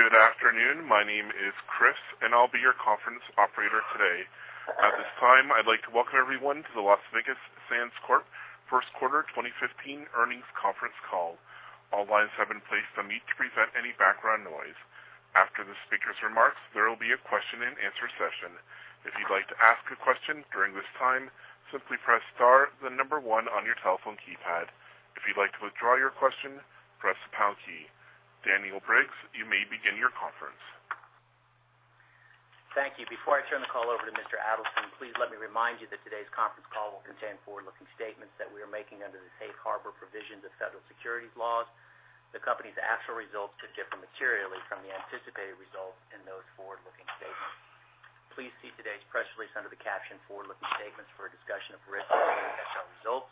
Good afternoon. My name is Chris, and I will be your conference operator today. At this time, I would like to welcome everyone to the Las Vegas Sands Corp. First Quarter 2015 Earnings Conference Call. All lines have been placed on mute to prevent any background noise. After the speaker's remarks, there will be a question-and-answer session. If you would like to ask a question during this time, simply press star then the number one on your telephone keypad. If you would like to withdraw your question, press the pound key. Daniel Briggs, you may begin your conference. Thank you. Before I turn the call over to Mr. Adelson, please let me remind you that today's conference call will contain forward-looking statements that we are making under the safe harbor provisions of federal securities laws. The company's actual results could differ materially from the anticipated results in those forward-looking statements. Please see today's press release under the caption forward-looking statements for a discussion of risks results.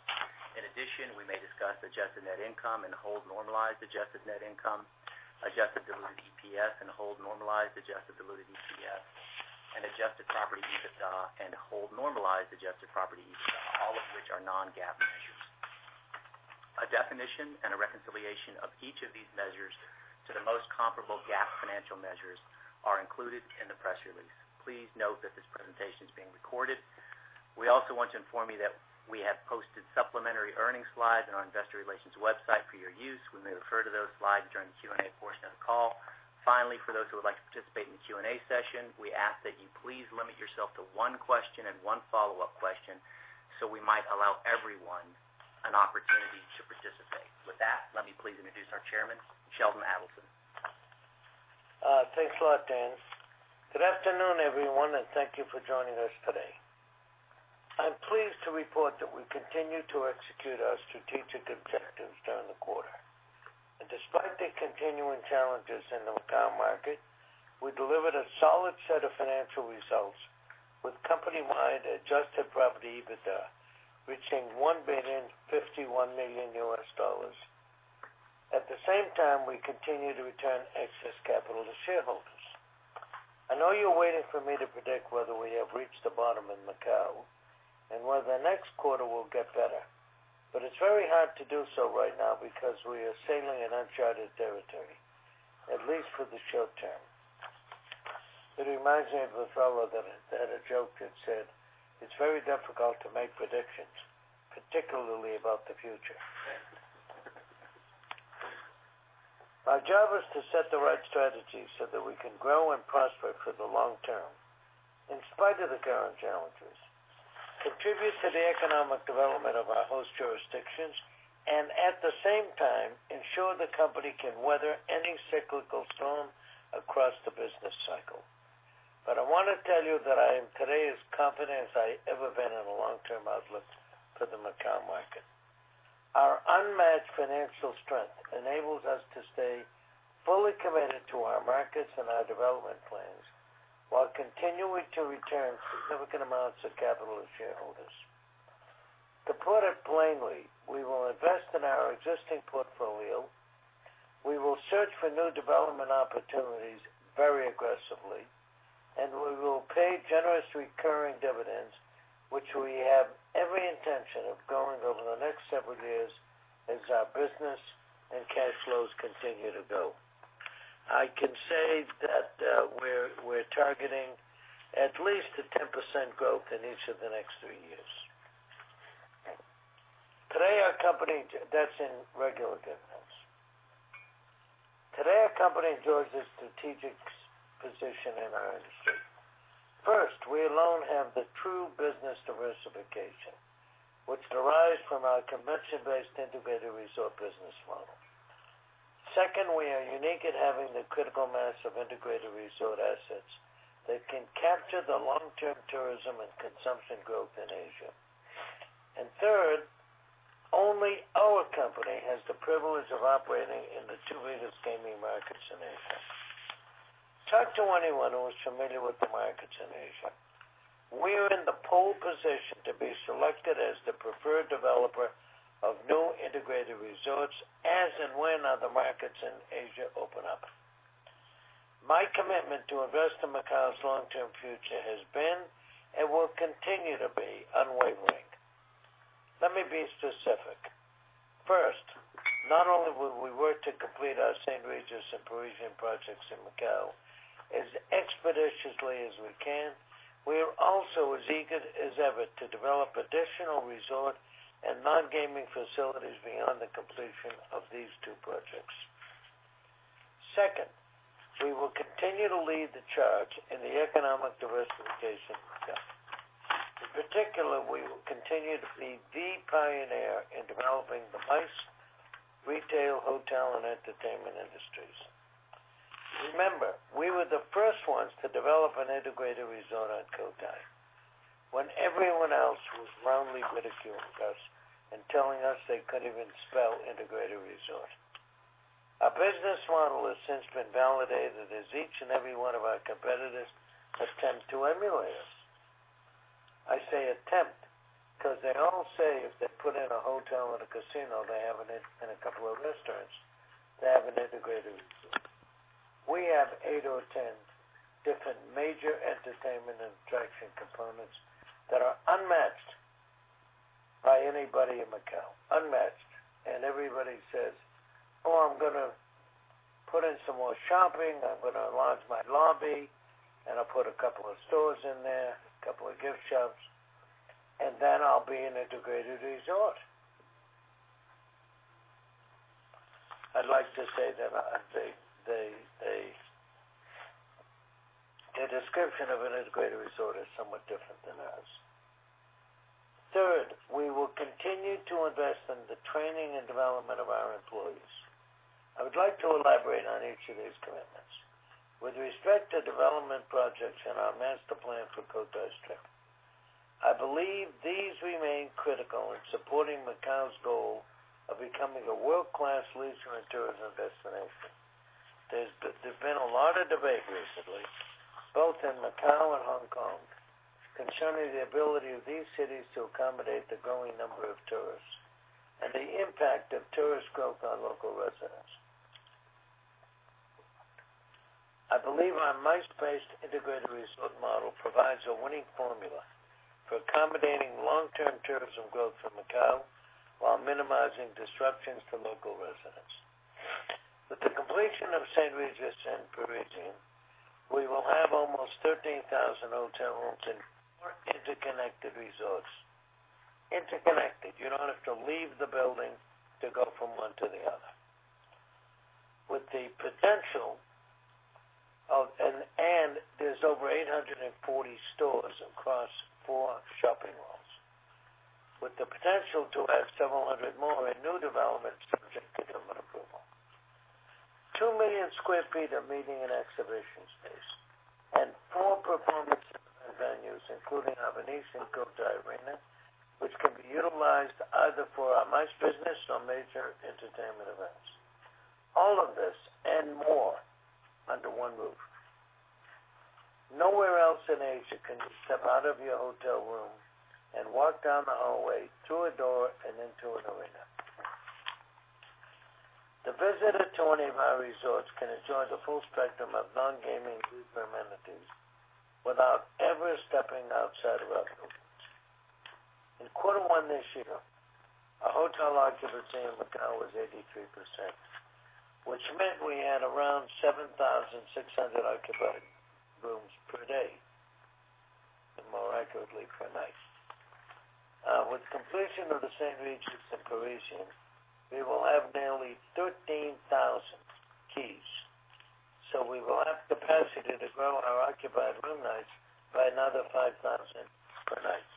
In addition, we may discuss adjusted net income and whole normalized adjusted net income, adjusted diluted EPS, and whole normalized adjusted diluted EPS, and adjusted property EBITDA and whole normalized adjusted property EBITDA, all of which are non-GAAP measures. A definition and a reconciliation of each of these measures to the most comparable GAAP financial measures are included in the press release. Please note that this presentation is being recorded. We also want to inform you that we have posted supplementary earnings slides on our investor relations website for your use. We may refer to those slides during the Q&A portion of the call. Finally, for those who would like to participate in the Q&A session, we ask that you please limit yourself to one question and one follow-up question so we might allow everyone an opportunity to participate. With that, let me please introduce our Chairman, Sheldon Adelson. Thanks a lot, Dan. Good afternoon, everyone, and thank you for joining us today. I am pleased to report that we continue to execute our strategic objectives during the quarter. Despite the continuing challenges in the Macau market, we delivered a solid set of financial results with company-wide adjusted property EBITDA reaching $1.051 billion USD. At the same time, we continue to return excess capital to shareholders. I know you are waiting for me to predict whether we have reached the bottom in Macau and whether next quarter will get better, it is very hard to do so right now because we are sailing in uncharted territory, at least for the short term. It reminds me of a fellow that had a joke that said, "It's very difficult to make predictions, particularly about the future." Our job is to set the right strategy so that we can grow and prosper for the long term in spite of the current challenges, contribute to the economic development of our host jurisdictions, and at the same time ensure the company can weather any cyclical storm across the business cycle. I want to tell you that I am today as confident as I ever been in the long-term outlook for the Macau market. Our unmatched financial strength enables us to stay fully committed to our markets and our development plans, while continuing to return significant amounts of capital to shareholders. To put it plainly, we will invest in our existing portfolio, we will search for new development opportunities very aggressively, and we will pay generous recurring dividends, which we have every intention of growing over the next several years as our business and cash flows continue to grow. I can say that we're targeting at least a 10% growth in each of the next three years. That's in regular dividends. Today, our company enjoys a strategic position in our industry. First, we alone have the true business diversification, which derives from our convention-based integrated resort business model. Second, we are unique in having the critical mass of integrated resort assets that can capture the long-term tourism and consumption growth in Asia. Third, only our company has the privilege of operating in the two biggest gaming markets in Asia. Talk to anyone who is familiar with the markets in Asia. We are in the pole position to be selected as the preferred developer of new integrated resorts as and when other markets in Asia open up. My commitment to invest in Macau's long-term future has been and will continue to be unwavering. Let me be specific. First, not only will we work to complete our St. Regis and Parisian projects in Macau as expeditiously as we can, we are also as eager as ever to develop additional resort and non-gaming facilities beyond the completion of these two projects. Second, we will continue to lead the charge in the economic diversification of Macau. In particular, we will continue to be the pioneer in developing the MICE, retail, hotel, and entertainment industries. Remember, we were the first ones to develop an integrated resort on Cotai when everyone else was roundly ridiculing us and telling us they couldn't even spell integrated resort. Our business model has since been validated as each and every one of our competitors attempt to emulate us. I say attempt because they all say if they put in a hotel and a casino, and a couple of restaurants, they have an integrated resort. We have eight or 10 different major entertainment attraction components that are unmatched by anybody in Macau, unmatched. Everybody says, "Oh, I'm going to put in some more shopping. I'm going to enlarge my lobby, and I'll put a couple of stores in there, a couple of gift shops, and then I'll be an integrated resort." I'd like to say that their description of an integrated resort is somewhat different than ours. Third, we will continue to invest in the training and development of our employees. I would like to elaborate on each of these commitments. With respect to development projects in our master plan for Cotai Strip, I believe these remain critical in supporting Macau's goal of becoming a world-class leisure and tourism destination. There's been a lot of debate recently, both in Macau and Hong Kong, concerning the ability of these cities to accommodate the growing number of tourists, and the impact of tourist growth on local residents. I believe our MICE-based integrated resort model provides a winning formula for accommodating long-term tourism growth for Macau while minimizing disruptions to local residents. With the completion of St. Regis and Parisian, we will have almost 13,000 hotel rooms in four interconnected resorts. Interconnected. You don't have to leave the building to go from one to the other. There's over 840 stores across four shopping malls, with the potential to add several hundred more in new developments subject to government approval. 2 million sq ft of meeting and exhibition space, and four performance venues, including our Venetian Cotai Arena, which can be utilized either for our MICE business or major entertainment events. All of this, and more, under one roof. Nowhere else in Asia can you step out of your hotel room and walk down the hallway, through a door, and into an arena. The visitor to any of our resorts can enjoy the full spectrum of nongaming group amenities without ever stepping outside of our rooms. In Q1 this year, our hotel occupancy in Macau was 83%, which meant we had around 7,600 occupied rooms per day, and more accurately, per night. With completion of St. Regis and Parisian, we will have nearly 13,000 keys. We will have capacity to grow our occupied room nights by another 5,000 per night.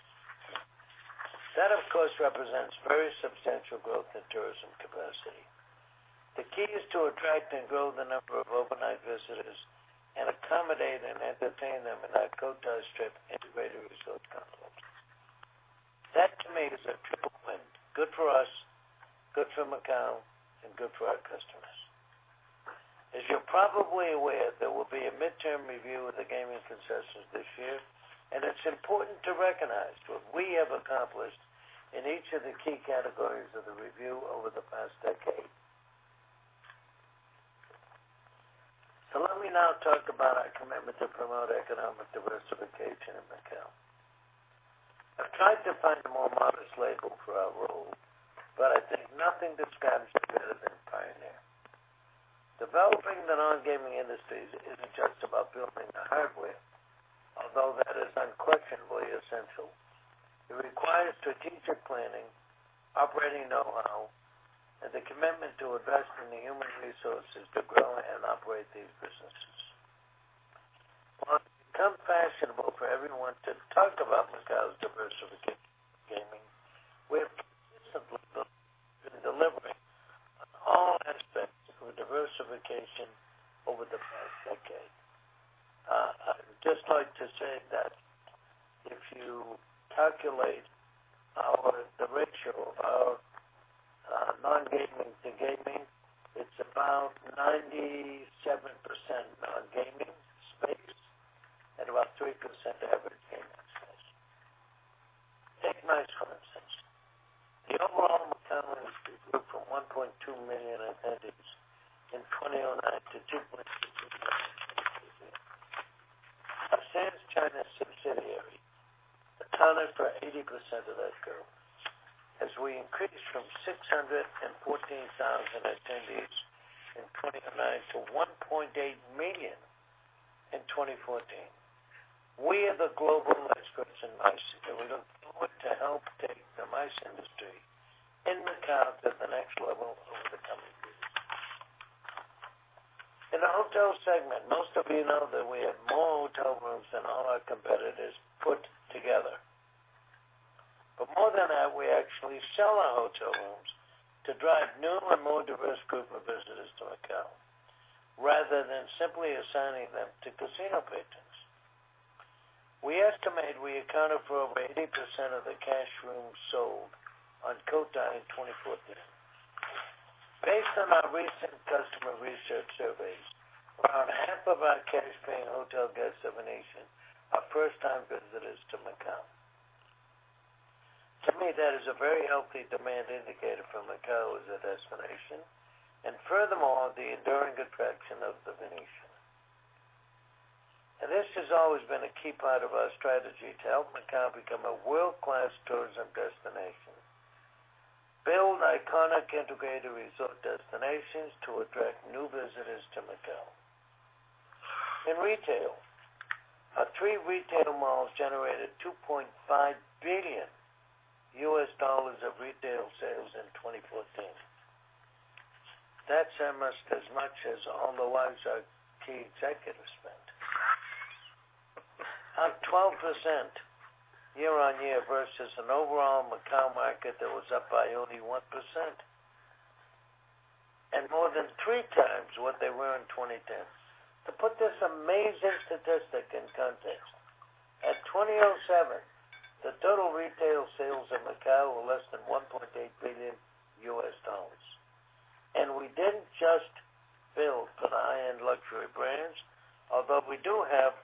That, of course, represents very substantial growth in tourism capacity. The key is to attract and grow the number of overnight visitors and accommodate and entertain them in our Cotai Strip integrated resort complex. That, to me, is a triple win. Good for us, good for Macau, and good for our customers. As you're probably aware, there will be a midterm review of the gaming concessions this year, and it's important to recognize what we have accomplished in each of the key categories of the review over the past decade. Let me now talk about our commitment to promote economic diversification in Macau. I've tried to find a more modest label for our role, but I think nothing describes it better than pioneer. Developing the nongaming industries isn't just about building the hardware, although that is unquestionably essential. It requires strategic planning, operating know-how, and the commitment to invest in the human resources to grow and operate these businesses. While it's become fashionable for everyone to talk about Macau's diversification from gaming, we have consistently been delivering on all aspects of diversification over the past decade. I would just like to say that if you calculate the ratio of our nongaming to gaming, it's about 97% nongaming space and about 3% average gaming space. Take MICE, for instance. The overall Macau MICE industry grew from 1.2 million attendees in 2009 to 2.2 million last year. Our Sands China subsidiary accounted for 80% of that growth, as we increased from 614,000 attendees in 2009 to 1.8 million in 2014. We are the global MICE experts in MICE, we look forward to help take the MICE industry in Macau to the next level over the coming years. In the hotel segment, most of you know that we have more hotel rooms than all our competitors put together. More than that, we actually sell our hotel rooms to drive new and more diverse group of visitors to Macau, rather than simply assigning them to casino patrons. We estimate we accounted for over 80% of the cash rooms sold on Cotai in 2014. Based on our recent customer research surveys, around half of our cash-paying hotel guests at Venetian are first-time visitors to Macau. To me, that is a very healthy demand indicator for Macau as a destination, and furthermore, the enduring attraction of Venetian. This has always been a key part of our strategy to help Macau become a world-class tourism destination. Build iconic integrated resort destinations to attract new visitors to Macau. In retail, our three retail malls generated $2.5 billion of retail sales in 2014. That's almost as much as all the wives our key executives spent. Up 12% year-over-year versus an overall Macau market that was up by only 1%, and more than three times what they were in 2010. To put this amazing statistic in context, in 2007, the total retail sales in Macau were less than $1.8 billion. We didn't just build for the high-end luxury brands, although we do have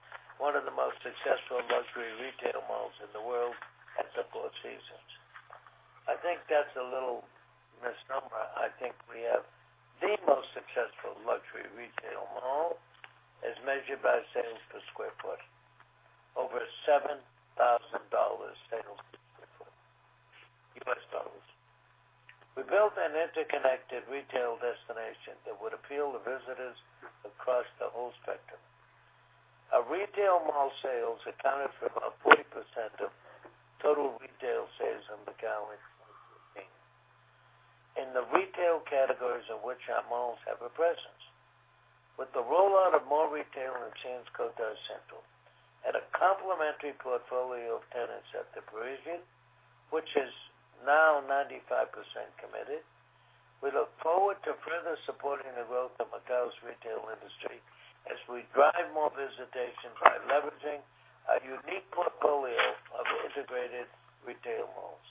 one of the most successful luxury retail malls in the world at the Four Seasons. I think that's a little misnomer. I think we have the most successful luxury retail mall as measured by sales per square foot. Over $7,000 sales per square foot. We built an interconnected retail destination that would appeal to visitors across the whole spectrum. Our retail mall sales accounted for about 40% of total retail sales in Macau in 2014. In the retail categories in which our malls have a presence. With the rollout of more retail in Sands Cotai Central and a complementary portfolio of tenants at Parisian, which is now 95% committed, we look forward to further supporting the growth of Macau's retail industry as we drive more visitation by leveraging our unique portfolio of integrated retail malls.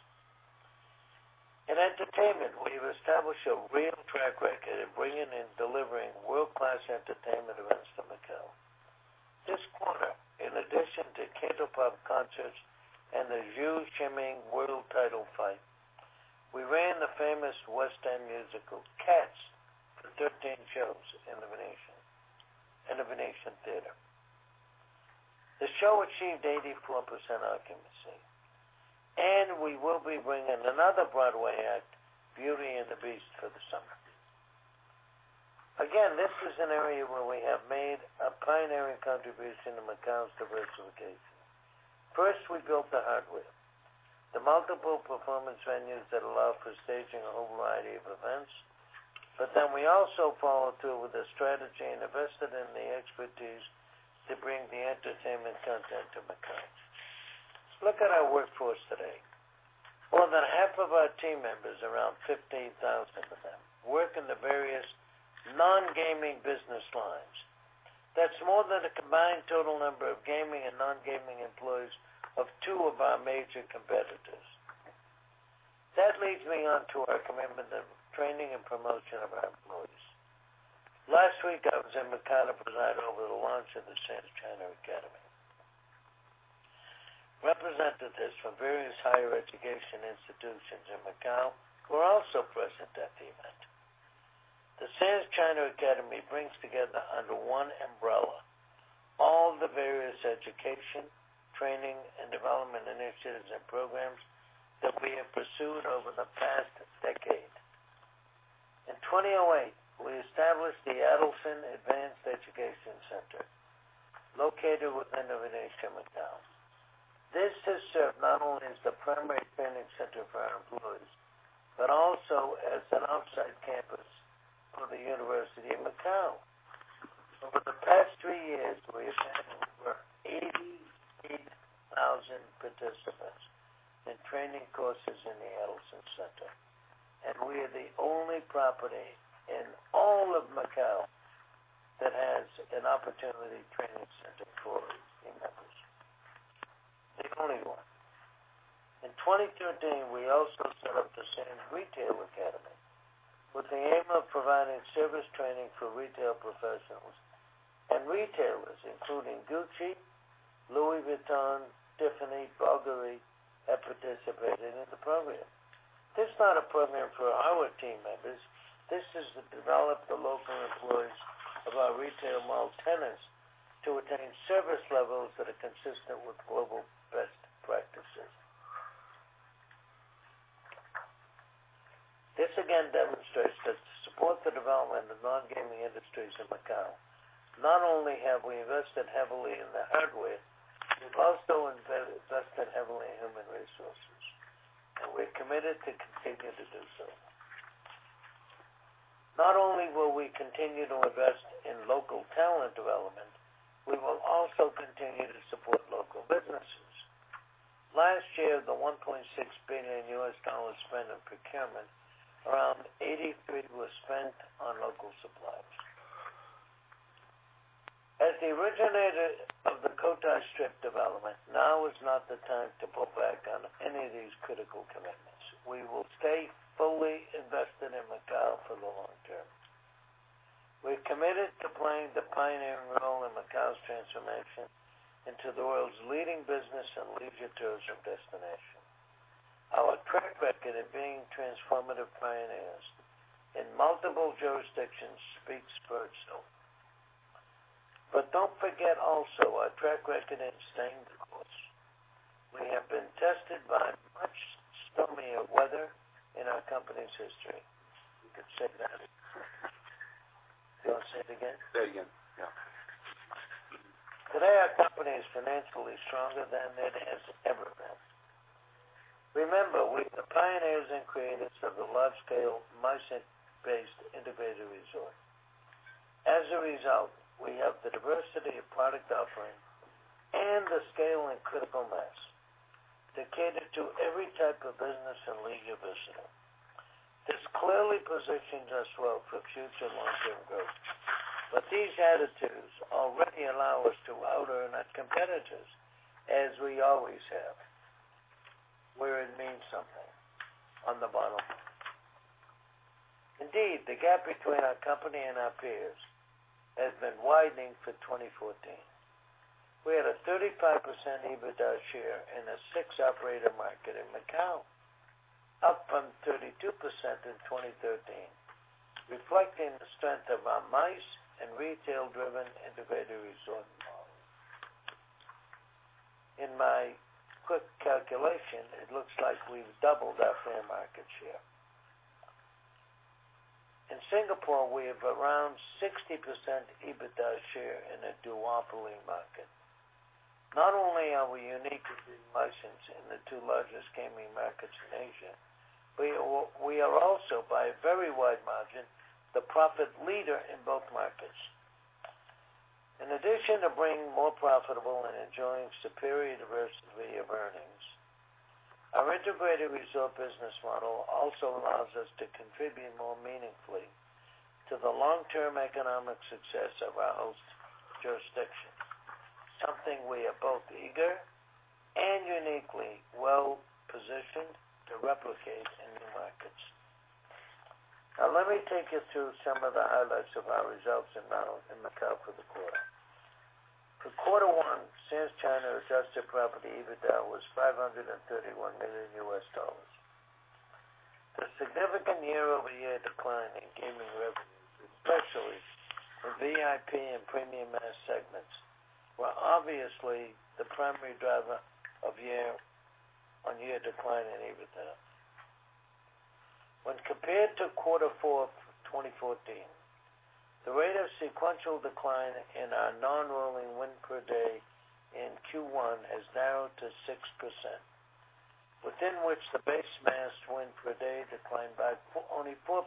In entertainment, we've established a real track record of bringing and delivering world-class entertainment events to Macau. This quarter, in addition to K-pop concerts and the Zou Shiming world title fight, we ran the famous West End musical, "Cats," for 13 shows in Venetian Theatre. The show achieved 84% occupancy, and we will be bringing another Broadway act, "Beauty and the Beast," for the summer. Again, this is an area where we have made a pioneering contribution to Macau's diversification. First, we built the hardware, the multiple performance venues that allow for staging a whole variety of events. We also followed through with a strategy and invested in the expertise to bring the entertainment content to Macau. Look at our workforce today. More than half of our team members, around 15,000 of them, work in the various non-gaming business lines. That's more than the combined total number of gaming and non-gaming employees of two of our major competitors. That leads me onto our commitment of training and promotion of our employees. Last week, I was in Macau to preside over the launch of the Sands China Academy. Representatives from various higher education institutions in Macau were also present at the event. The Sands China Academy brings together under one umbrella all the various education, training, and development initiatives and programs that we have pursued over the past decade. In 2008, we established the Adelson Advanced Education Center, located within The Venetian Macao. This has served not only as the primary training center for our employees, but also as an off-site campus for the University of Macau. Over the past three years, we have had over 88,000 participants in training courses in the Adelson Center, and we are the only property in all of Macau that has an opportunity training center for its team members. The only one. In 2013, we also set up the Sands Retail Academy with the aim of providing service training for retail professionals, and retailers, including Gucci, Louis Vuitton, Tiffany & Co., Bulgari, have participated in the program. This is not a program for our team members. This is to develop the local employees of our retail mall tenants to attain service levels that are consistent with global best practices. This again demonstrates that to support the development of non-gaming industries in Macau, not only have we invested heavily in the hardware, we've also invested heavily in human resources, and we're committed to continue to do so. Not only will we continue to invest in local talent development, we will also continue to support local businesses. Last year, of the $1.6 billion spent on procurement, around 83% was spent on local suppliers. As the originator of the Cotai Strip development, now is not the time to pull back on any of these critical commitments. We will stay fully invested in Macau for the long term. We're committed to playing the pioneering role in Macau's transformation into the world's leading business and leisure tourism destination. Our track record of being transformative pioneers in multiple jurisdictions speaks for itself. Don't forget also our track record in staying the course. We have been tested by much stormier weather in our company's history. You can say that. You want to say it again? Say it again. Yeah. Today, our company is financially stronger than it has ever been. Remember, we are the pioneers and creators of the large-scale MICE-based integrated resort. As a result, we have the diversity of product offering and the scale and critical mass to cater to every type of business and leisure visitor. This clearly positions us well for future long-term growth, these attitudes already allow us to out-earn our competitors as we always have, where it means something on the bottom line. Indeed, the gap between our company and our peers has been widening for 2014. We had a 35% EBITDA share in a six-operator market in Macau, up from 32% in 2013, reflecting the strength of our MICE and retail-driven integrated resort model. In my quick calculation, it looks like we've doubled our fair market share. In Singapore, we have around 60% EBITDA share in a duopoly market. Not only are we unique with MICE in the two largest gaming markets in Asia, we are also, by a very wide margin, the profit leader in both markets. In addition to being more profitable and enjoying superior diversity of earnings, our integrated resort business model also allows us to contribute more meaningfully to the long-term economic success of our host jurisdictions, something we are both eager and uniquely well-positioned to replicate in new markets. Let me take you through some of the highlights of our results in Macau for the quarter. For Q1, Sands China adjusted property EBITDA was $531 million. The significant year-over-year decline in gaming revenues, especially from VIP and premium mass segments, were obviously the primary driver of year-on-year decline in EBITDA. When compared to Q4 of 2014, the rate of sequential decline in our non-rolling win per day in Q1 has narrowed to 6%, within which the base mass win per day declined by only 4%.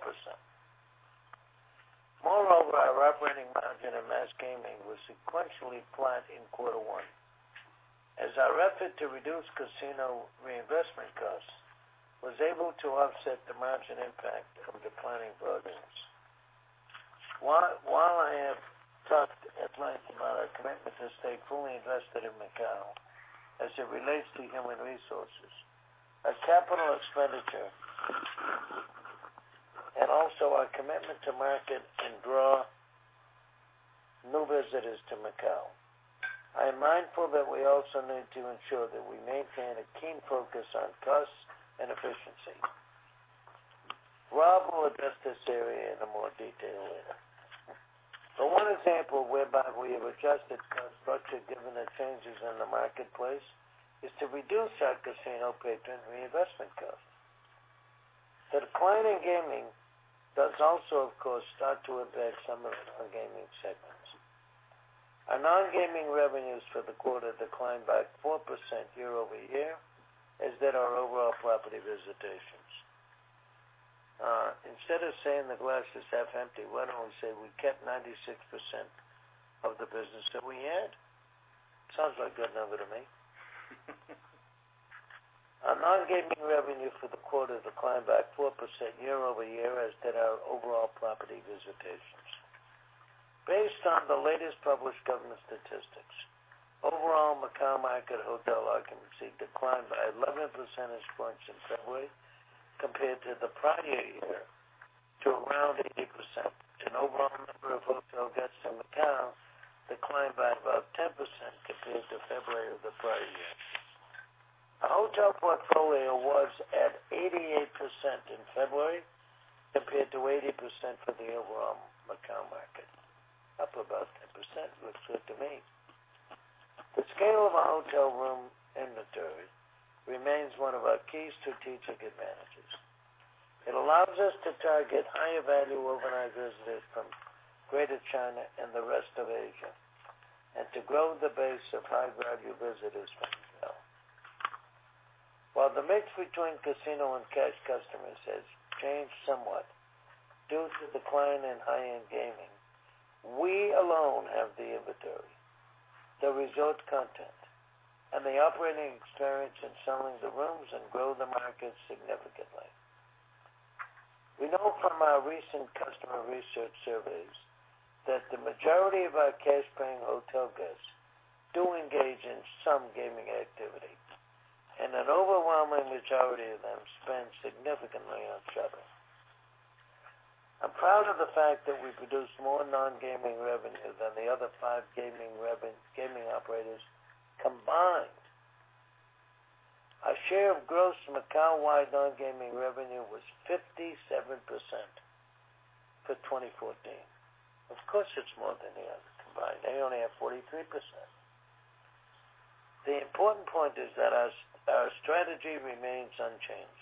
Moreover, our operating margin in mass gaming was sequentially flat in Q1, as our effort to reduce casino reinvestment costs was able to offset the margin impact of declining revenues. While I have talked at length about our commitment to stay fully invested in Macau as it relates to human resources, our capital expenditure, and also our commitment to market and draw new visitors to Macau, I am mindful that we also need to ensure that we maintain a keen focus on cost and efficiency. Rob will address this area in more detail later. One example whereby we have adjusted costs budget given the changes in the marketplace is to reduce our casino patron reinvestment costs. The decline in gaming does also, of course, start to affect some of our non-gaming segments. Our non-gaming revenues for the quarter declined by 4% year-over-year, as did our overall property visitations. Instead of saying the glass is half empty, why don't we say we kept 96% of the business that we had? Sounds like a good number to me. Our non-gaming revenue for the quarter declined by 4% year-over-year, as did our overall property visitations. Based on the latest published government statistics, overall Macau market hotel occupancy declined by 11 percentage points in February compared to the prior year to around 80%, and overall number of hotel guests in Macau declined by about 10% compared to February of the prior year. Our hotel portfolio was at 88% in February, compared to 80% for the overall Macau market, up about 10%. Looks good to me. The scale of our hotel room inventory remains one of our key strategic advantages. It allows us to target higher-value organized visitors from Greater China and the rest of Asia, and to grow the base of high-value visitors from Macau. While the mix between casino and cash customers has changed somewhat due to decline in high-end gaming, we alone have the inventory, the resort content, and the operating experience in selling the rooms and grow the market significantly. We know from our recent customer research surveys that the majority of our cash-paying hotel guests do engage in some gaming activity, and an overwhelming majority of them spend significantly on travel. I'm proud of the fact that we produce more non-gaming revenue than the other five gaming operators combined. Our share of gross Macau-wide non-gaming revenue was 57% for 2014. Of course, it's more than the others combined. They only have 43%. The important point is that our strategy remains unchanged.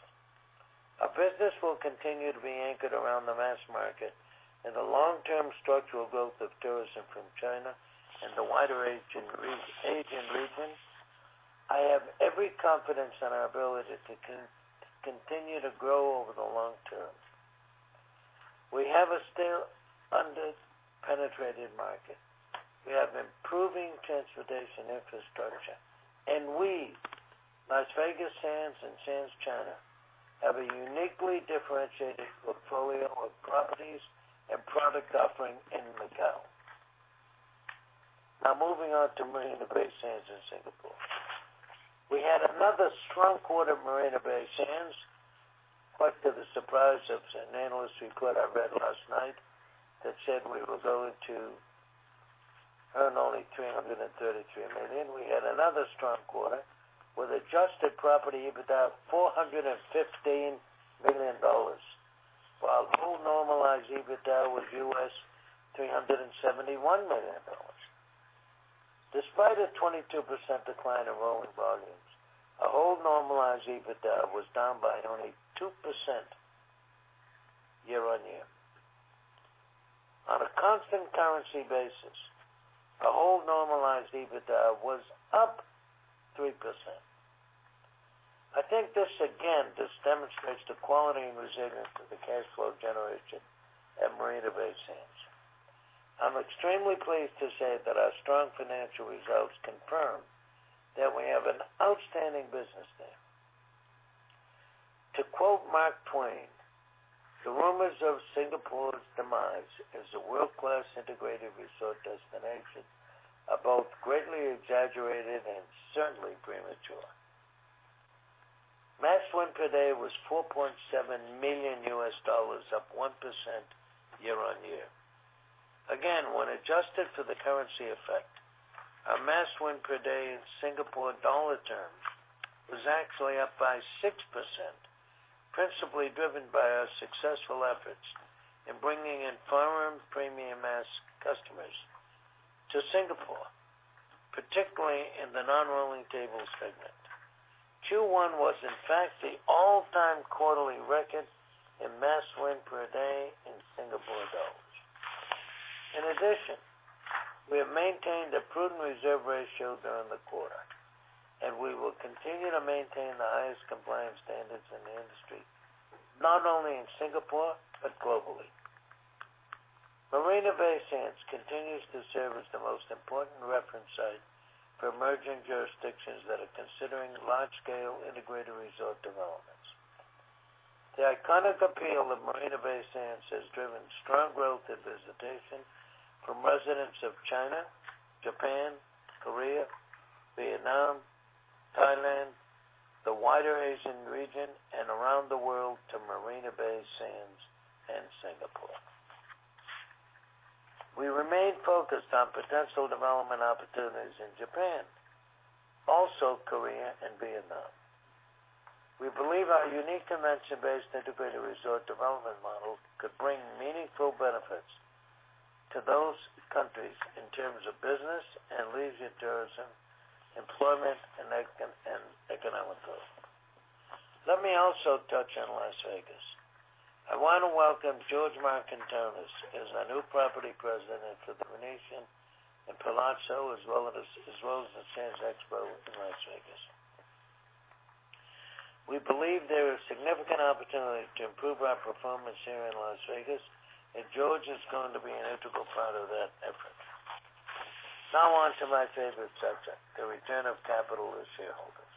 Our business will continue to be anchored around the mass market and the long-term structural growth of tourism from China and the wider Asian region. I have every confidence in our ability to continue to grow over the long term. We have a still under-penetrated market. We have improving transportation infrastructure, and we, Las Vegas Sands and Sands China, have a uniquely differentiated portfolio of properties and product offering in Macau. Now, moving on to Marina Bay Sands in Singapore. We had another strong quarter at Marina Bay Sands, much to the surprise of certain analysts' report I read last night that said we were going to earn only $333 million. We had another strong quarter with adjusted property EBITDA of $415 million, while whole normalized EBITDA was $371 million. Despite a 22% decline in rolling volumes, our whole normalized EBITDA was down by only 2% year-on-year. On a constant currency basis, the whole normalized EBITDA was up 3%. I think this, again, just demonstrates the quality and resilience of the cash flow generation at Marina Bay Sands. I'm extremely pleased to say that our strong financial results confirm that we have an outstanding business there. To quote Mark Twain, "The rumors of Singapore's demise as a world-class integrated resort destination are both greatly exaggerated and certainly premature." Mass win per day was $4.7 million, up 1% year-on-year. When adjusted for the currency effect, our mass win per day in SGD terms was actually up by 6%, principally driven by our successful efforts in bringing in foreign premium mass customers to Singapore, particularly in the non-rolling tables segment. Q1 was in fact the all-time quarterly record in mass win per day in SGD. We have maintained a prudent reserve ratio during the quarter, and we will continue to maintain the highest compliance standards in the industry, not only in Singapore, but globally. Marina Bay Sands continues to serve as the most important reference site for emerging jurisdictions that are considering large-scale integrated resort developments. The iconic appeal of Marina Bay Sands has driven strong growth in visitation from residents of China, Japan, Korea, Vietnam, Thailand, the wider Asian region, and around the world to Marina Bay Sands and Singapore. We remain focused on potential development opportunities in Japan, also Korea and Vietnam. We believe our unique convention-based integrated resort development model could bring meaningful benefits to those countries in terms of business and leisure tourism, employment, and economic growth. Let me also touch on Las Vegas. I want to welcome George Markantonis as our new property president for The Venetian and The Palazzo, as well as the Sands Expo in Las Vegas. We believe there are significant opportunities to improve our performance here in Las Vegas, and George is going to be an integral part of that effort. Now on to my favorite subject, the return of capital to shareholders.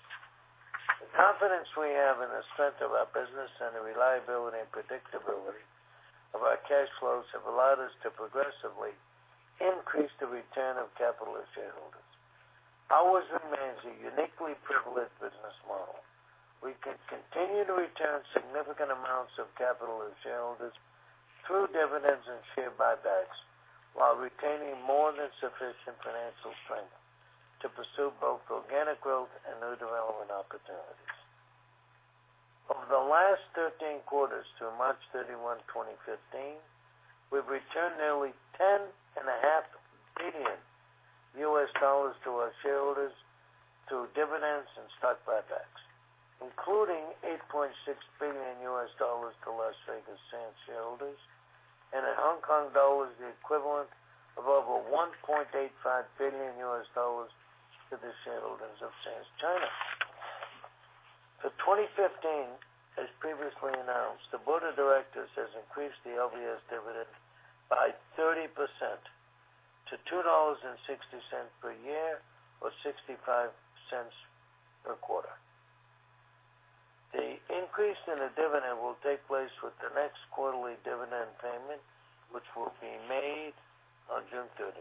The confidence we have in the strength of our business and the reliability and predictability of our cash flows have allowed us to progressively increase the return of capital to shareholders. Ours remains a uniquely privileged business model. We can continue to return significant amounts of capital to shareholders through dividends and share buybacks while retaining more than sufficient financial strength to pursue both organic growth and new development opportunities. Over the last 13 quarters to March 31, 2015, we've returned nearly $10.5 billion to our shareholders through dividends and stock buybacks, including $8.6 billion to Las Vegas Sands shareholders and in Hong Kong dollars, the equivalent of over $1.85 billion to the shareholders of Sands China. For 2015, as previously announced, the board of directors has increased the LVS dividend by 30% to $2.60 per year or $0.65 per quarter. The increase in the dividend will take place with the next quarterly dividend payment, which will be made on June 30.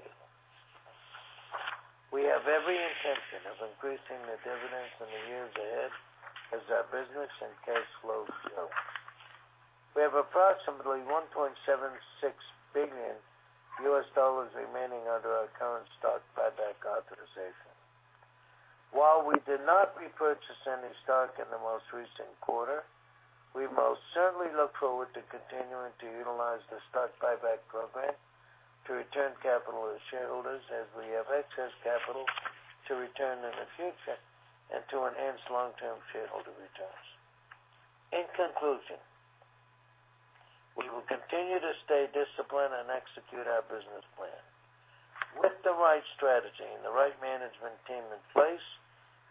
We have every intention of increasing the dividends in the years ahead as our business and cash flow grow. We have approximately $1.76 billion remaining under our current stock buyback authorization. While we did not repurchase any stock in the most recent quarter, we most certainly look forward to continuing to utilize the stock buyback program to return capital to shareholders as we have excess capital to return in the future and to enhance long-term shareholder returns. In conclusion, we will continue to stay disciplined and execute our business plan. With the right strategy and the right management team in place,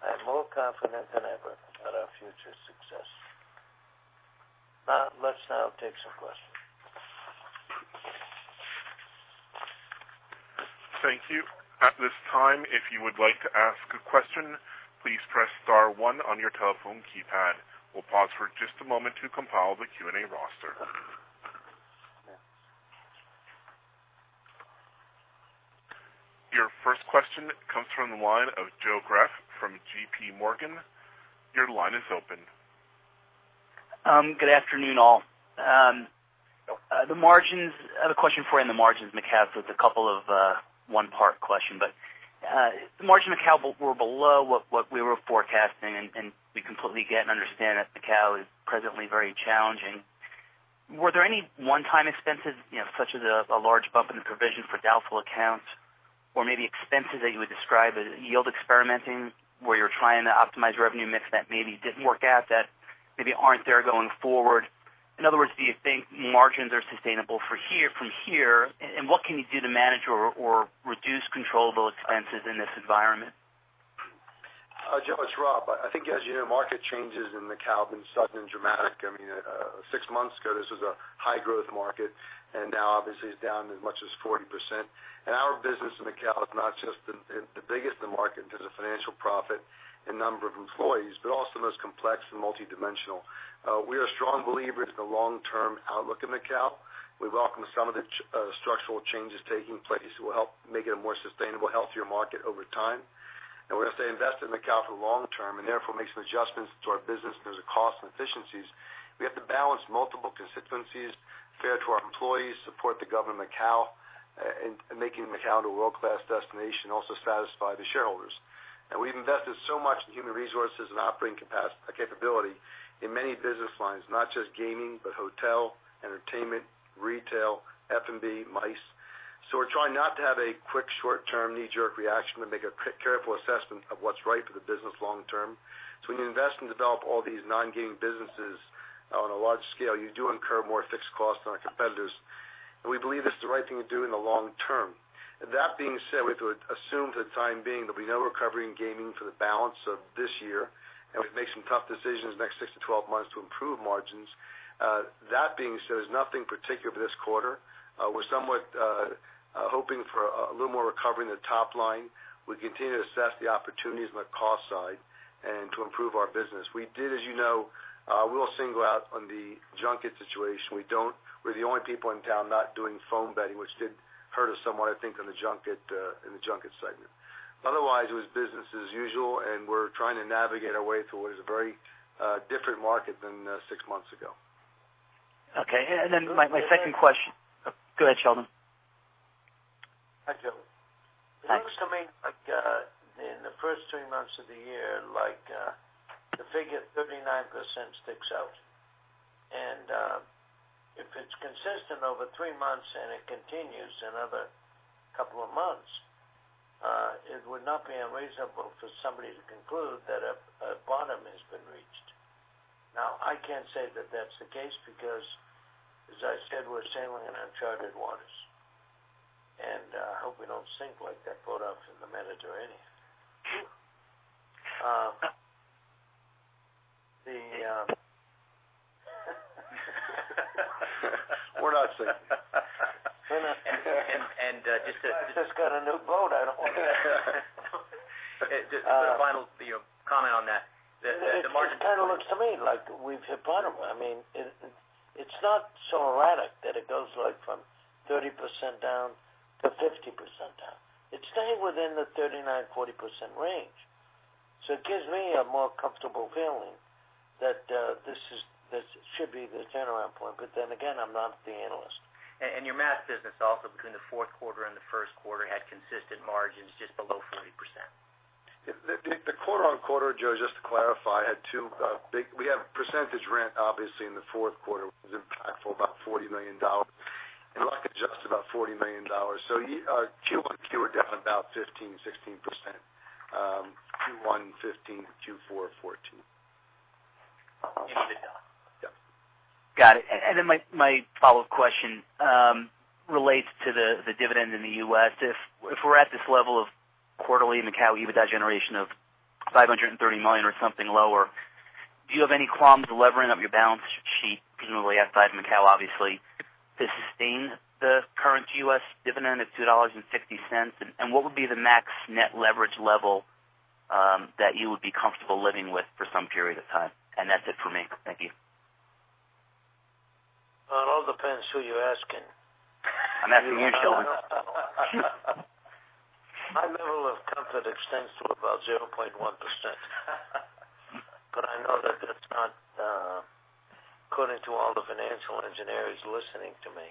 I am more confident than ever about our future success. Let's now take some questions. Thank you. At this time, if you would like to ask a question, please press star 1 on your telephone keypad. We'll pause for just a moment to compile the Q&A roster. Your first question comes from the line of Joe Greff from JPMorgan. Your line is open. Good afternoon, all. I have a question for you on the margins in Macau. It's a couple of one-part question. The margin in Macau were below what we were forecasting. We completely get and understand that Macau is presently very challenging. Were there any one-time expenses, such as a large bump in the provision for doubtful accounts, or maybe expenses that you would describe as yield experimenting, where you're trying to optimize revenue mix that maybe didn't work out that maybe aren't there going forward? In other words, do you think margins are sustainable from here, and what can you do to manage or reduce controllable expenses in this environment? Joe, it's Rob. I think as you know, market changes in Macau have been sudden and dramatic. Six months ago, this was a high-growth market. Now obviously it's down as much as 40%. Our business in Macau is not just the biggest in the market in terms of financial profit and number of employees, but also the most complex and multidimensional. We are strong believers in the long-term outlook in Macau. We welcome some of the structural changes taking place that will help make it a more sustainable, healthier market over time. We're going to stay invested in Macau for the long term and therefore make some adjustments to our business. There's a cost and efficiencies. We have to balance multiple constituencies, fair to our employees, support the government of Macau in making Macau into a world-class destination, also satisfy the shareholders. We've invested so much in human resources and operating capability in many business lines, not just gaming, but hotel, entertainment, retail, F&B, MICE. We're trying not to have a quick, short-term, knee-jerk reaction, but make a careful assessment of what's right for the business long term. When you invest and develop all these non-gaming businesses on a large scale, you do incur more fixed costs than our competitors. We believe this is the right thing to do in the long term. That being said, we have to assume for the time being, there'll be no recovery in gaming for the balance of this year. We have to make some tough decisions the next six to 12 months to improve margins. That being said, there's nothing particular for this quarter. We're somewhat hoping for a little more recovery in the top line. We continue to assess the opportunities on the cost side and to improve our business. We did, as you know, we won't single out on the junket situation. We're the only people in town not doing phone betting, which did hurt us somewhat, I think, in the junket segment. Otherwise, it was business as usual. We're trying to navigate our way through what is a very different market than six months ago. Okay. Then my second question. Go ahead, Sheldon. Hi, Joe. Thanks. It looks to me, like in the first three months of the year, the figure 39% sticks out. If it's consistent over three months and it continues another couple of months, it would not be unreasonable for somebody to conclude that a bottom has been reached. Now, I can't say that that's the case because, as I said, we're sailing in uncharted waters. I hope we don't sink like that boat out in the Mediterranean. We're not sinking. And just to- I just got a new boat. I don't want to. Just a final comment on that. It kind of looks to me like we've hit bottom. It's not so erratic that it goes from 30% down to 50% down. It stayed within the 39%, 40% range. It gives me a more comfortable feeling that this should be the turnaround point. Again, I'm not the analyst. Your mass business also between the fourth quarter and the first quarter had consistent margins just below 40%. The quarter-on-quarter, Joe, just to clarify, we have percentage rent, obviously in the fourth quarter, which was impactful, about $40 million. Luck adjusted, about $40 million. QOQ, we're down about 15%-16%. Q1 2015 to Q4 2014. Into the dollar. Yes. Got it. My follow-up question relates to the dividend in the U.S. If we're at this level of quarterly Macau EBITDA generation of $530 million or something lower, do you have any qualm with levering up your balance sheet, presumably outside Macau, obviously, to sustain the current U.S. dividend of $2.50? What would be the max net leverage level that you would be comfortable living with for some period of time? That's it for me. Thank you. Well, depends who you're asking. I'm asking you, Sheldon. My level of comfort extends to about 0.1%. I know that's not according to all the financial engineers listening to me,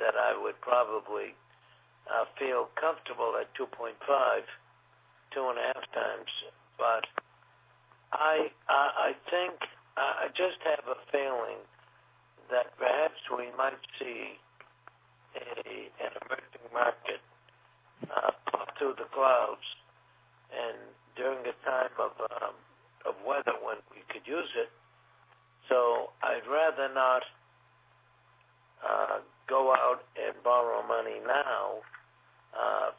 that I would probably feel comfortable at two and a half times. I just have a feeling that perhaps we might see an emerging market up through the clouds and during a time of weather when we could use it. I'd rather not go out and borrow money now,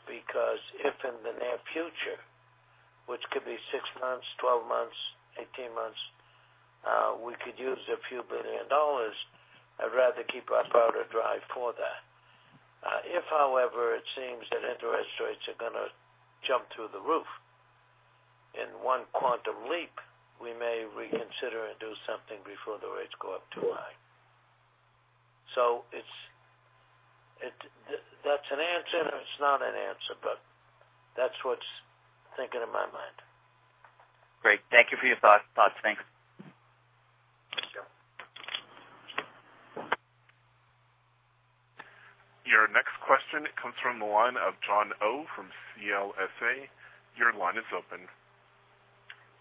because if in the near future, which could be 6 months, 12 months, 18 months, we could use a few billion dollars, I'd rather keep our powder dry for that. If, however, it seems that interest rates are going to jump through the roof in one quantum leap, we may reconsider and do something before the rates go up too high. That's an answer, and it's not an answer, but that's what's thinking in my mind. Great. Thank you for your thoughts. Thanks. Thank you. Your next question comes from the line of Jon Oh from CLSA. Your line is open.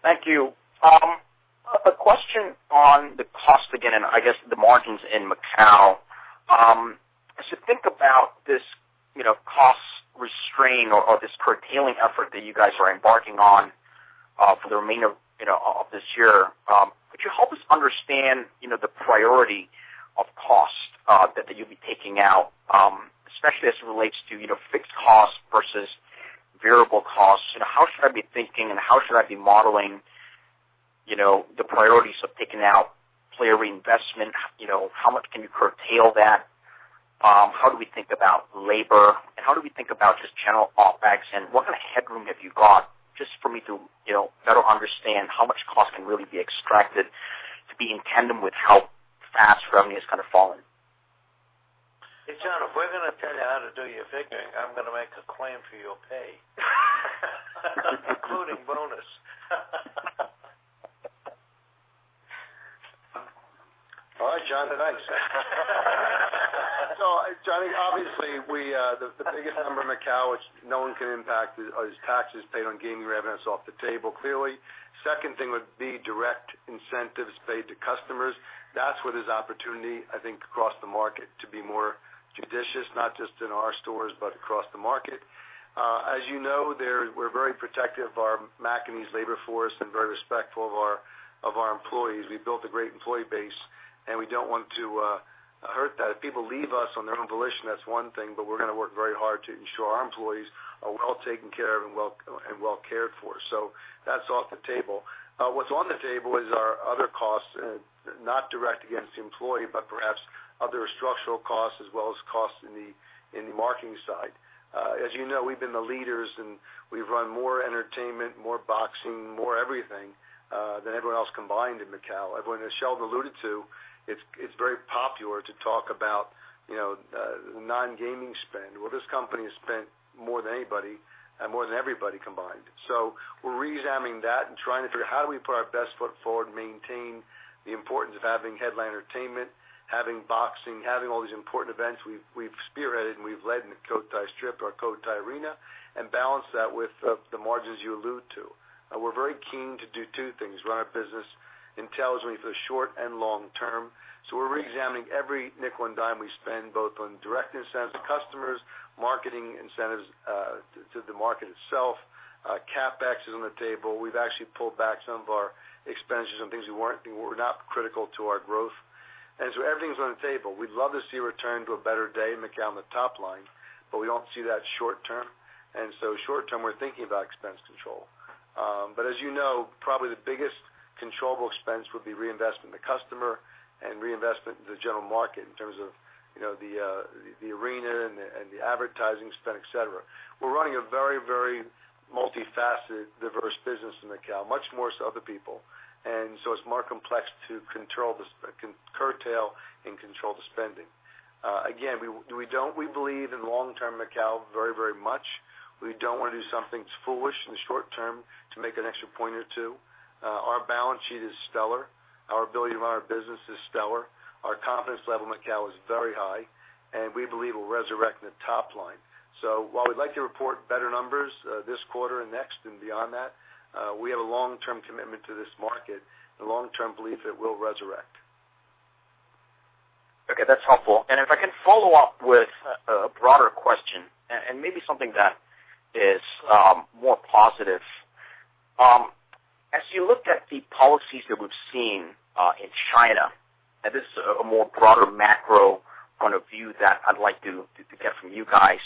Thank you. A question on the cost again, and I guess the margins in Macau. As you think about this cost restraint or this curtailing effort that you guys are embarking on for the remainder of this year. Could you help us understand the priority of cost that you'll be taking out, especially as it relates to fixed costs versus variable costs? How should I be thinking, and how should I be modeling the priorities of taking out player reinvestment? How much can you curtail that? How do we think about labor, and how do we think about just general OpEx? What kind of headroom have you got just for me to better understand how much cost can really be extracted to be in tandem with how fast revenue is kind of falling? Hey, Jon, if we're going to tell you how to do your figuring, I'm going to make a claim for your pay, including bonus. All right, Jon. Thanks. Jon, obviously, the biggest number in Macau, which no one can impact, is taxes paid on gaming revenue. It's off the table, clearly. Second thing would be direct incentives paid to customers. That's where there's opportunity, I think, across the market to be more judicious, not just in our stores, but across the market. As you know, we're very protective of our Macanese labor force and very respectful of our employees. We've built a great employee base, and we don't want to hurt that. If people leave us on their own volition, that's one thing, but we're going to work very hard to ensure our employees are well taken care of and well cared for. That's off the table. What's on the table is our other costs, not direct against the employee, but perhaps other structural costs as well as costs in the marketing side. As you know, we've been the leaders. We've run more entertainment, more boxing, more everything, than everyone else combined in Macau. As Sheldon alluded to, it's very popular to talk about non-gaming spend. This company has spent more than anybody and more than everybody combined. We're reexamining that and trying to figure how do we put our best foot forward, maintain the importance of having headline entertainment, having boxing, having all these important events we've spearheaded, and we've led in the Cotai Strip, our Cotai Arena, and balance that with the margins you allude to. We're very keen to do two things, run our business intelligently for the short and long term. We're reexamining every nickel and dime we spend, both on direct incentives to customers, marketing incentives to the market itself. CapEx is on the table. We've actually pulled back some of our expenditures on things that were not critical to our growth. Everything's on the table. We'd love to see a return to a better day in Macau on the top line, but we don't see that short term. Short term, we're thinking about expense control. As you know, probably the biggest controllable expense would be reinvestment in the customer and reinvestment in the general market in terms of the arena and the advertising spend, et cetera. We're running a very, very multifaceted, diverse business in Macau, much more so than other people. It's more complex to curtail and control the spending. Again, we believe in long-term Macau very, very much. We don't want to do something that's foolish in the short term to make an extra point or two. Our balance sheet is stellar. Our ability to run our business is stellar. Our confidence level in Macau is very high, and we believe we'll resurrect the top line. While we'd like to report better numbers this quarter and next and beyond that, we have a long-term commitment to this market and long-term belief it will resurrect. Okay. That's helpful. If I can follow up with a broader question and maybe something that is more positive. As you look at the policies that we've seen in China, and this is a more broader macro kind of view that I'd like to get from you guys.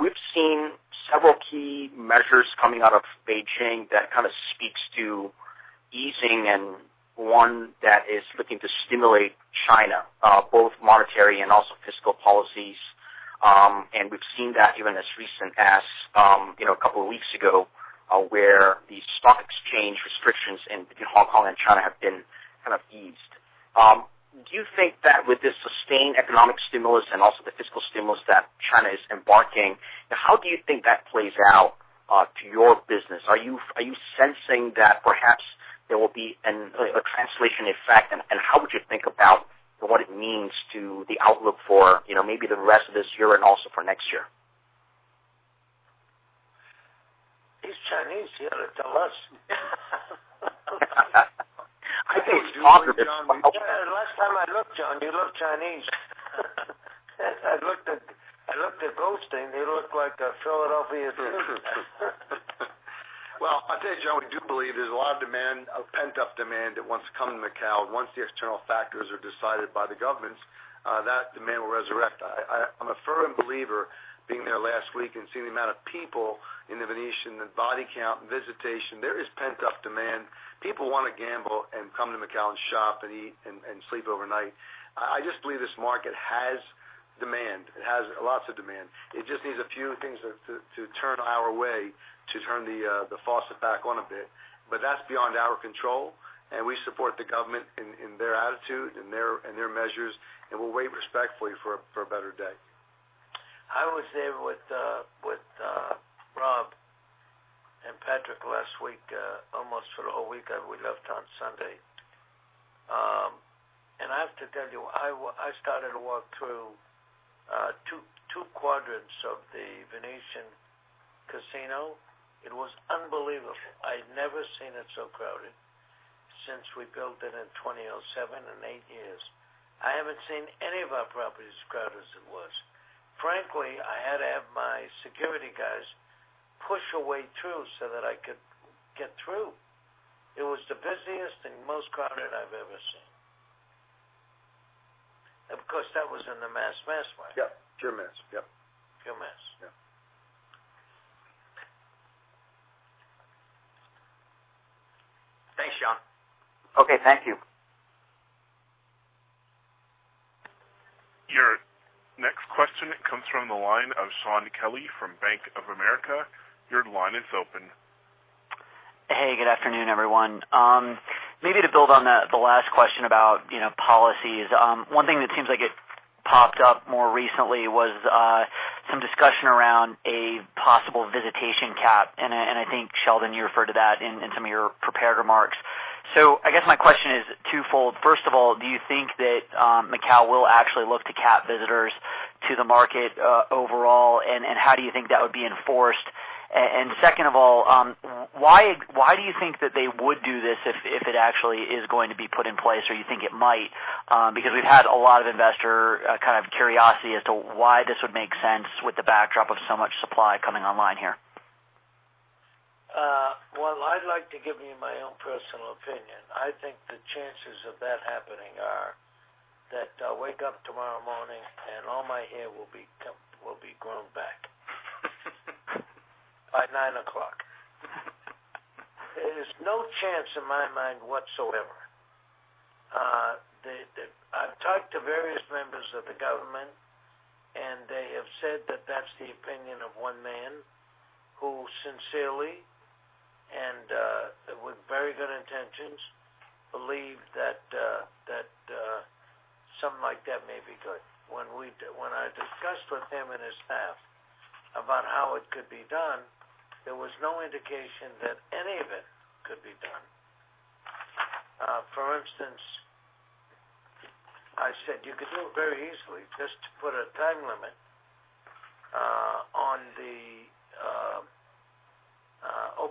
We've seen several key measures coming out of Beijing that kind of speaks to easing and one that is looking to stimulate China, both monetary and also fiscal policies. We've seen that even as recent as a couple of weeks ago, where the stock exchange restrictions between Hong Kong and China have been kind of eased. Do you think that with this sustained economic stimulus and also the fiscal stimulus that China is embarking, how do you think that plays out to your business? Are you sensing that perhaps there will be a translation effect, and how would you think about what it means to the outlook for maybe the rest of this year and also for next year? He's Chinese. He ought to tell us. I think he's talking. Last time I looked, Jon, you looked Chinese. I looked at Goldstein, they look like a Philadelphia Jew. Well, I'll tell you, Jon, we do believe there's a lot of demand, of pent-up demand that wants to come to Macao. Once the external factors are decided by the governments, that demand will resurrect. I'm a firm believer, being there last week and seeing the amount of people in The Venetian, the body count and visitation, there is pent-up demand. People want to gamble and come to Macao and shop and eat and sleep overnight. I just believe this market has demand. It has lots of demand. It just needs a few things to turn our way, to turn the faucet back on a bit. That's beyond our control, and we support the government in their attitude, in their measures, and we'll wait respectfully for a better day. I was there with Rob and Patrick last week, almost for the whole week, and we left on Sunday. I have to tell you, I started to walk through two quadrants of the Venetian Casino. It was unbelievable. I'd never seen it so crowded since we built it in 2007. In eight years, I haven't seen any of our properties as crowded as it was. Frankly, I had to have my security guys push a way through so that I could get through. It was the busiest and most crowded I've ever seen. Of course, that was in the mass market. Yeah. Pure mass. Yep. Pure mass. Yeah. Thanks, Jon. Okay, thank you. Your next question comes from the line of Shaun Kelley from Bank of America. Your line is open. Hey, good afternoon, everyone. Maybe to build on the last question about policies. One thing that seems like it popped up more recently was some discussion around a possible visitation cap, and I think, Sheldon, you referred to that in some of your prepared remarks. I guess my question is twofold. First of all, do you think that Macau will actually look to cap visitors to the market overall, and how do you think that would be enforced? Second of all, why do you think that they would do this if it actually is going to be put in place, or you think it might? We've had a lot of investor kind of curiosity as to why this would make sense with the backdrop of so much supply coming online here. Well, I'd like to give you my own personal opinion. I think the chances of that happening are that I wake up tomorrow morning, and all my hair will be grown back. By nine o'clock. There's no chance in my mind whatsoever. I've talked to various members of the government, and they have said that that's the opinion of one man who sincerely, and with very good intentions, believed that something like that may be good. When I discussed with him and his staff about how it could be done, there was no indication that any of it could be done. For instance, I said, "You could do it very easily just to put a time limit on the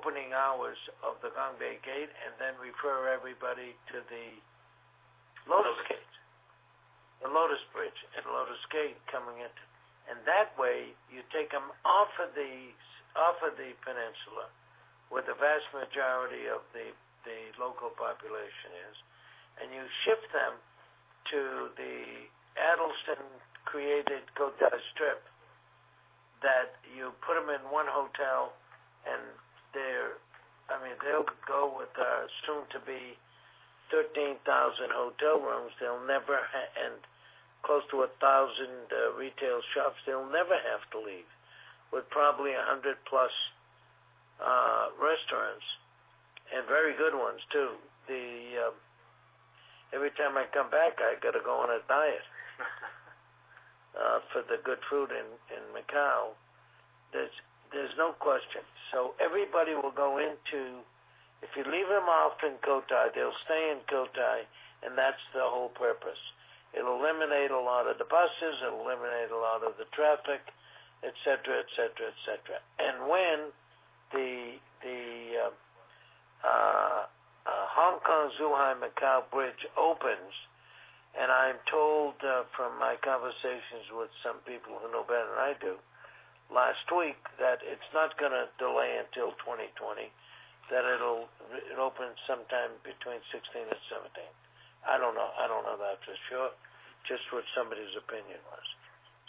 opening hours of the Gongbei Border Gate and then refer everybody to the Lotus Gate, the Lotus Bridge, and Lotus Gate coming in." That way, you take them off of the peninsula, where the vast majority of the local population is, and you ship them to the Adelson-created Cotai Strip, that you put them in one hotel, and they'll go with the soon-to-be 13,000 hotel rooms, and close to 1,000 retail shops, they'll never have to leave. With probably 100+ restaurants, and very good ones, too. Every time I come back, I got to go on a diet for the good food in Macau. There's no question. If you leave them off in Cotai, they'll stay in Cotai, and that's the whole purpose. It'll eliminate a lot of the buses, it'll eliminate a lot of the traffic, et cetera. When the Hong Kong-Zhuhai-Macao bridge opens, I'm told from my conversations with some people who know better than I do last week, that it's not going to delay until 2020, that it'll open sometime between 2016 and 2017. I don't know that for sure, just what somebody's opinion was.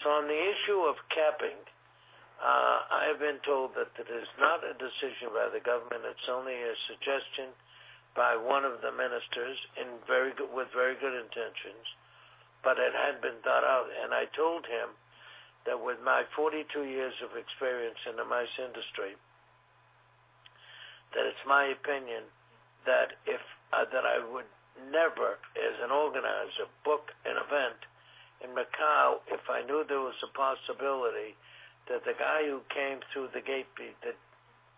On the issue of capping I have been told that it is not a decision by the government, it's only a suggestion by one of the ministers with very good intentions, but it had been thought out. I told him that with my 42 years of experience in the MICE industry, that it's my opinion that I would never, as an organizer, book an event in Macau if I knew there was a possibility that the guy who came through the gate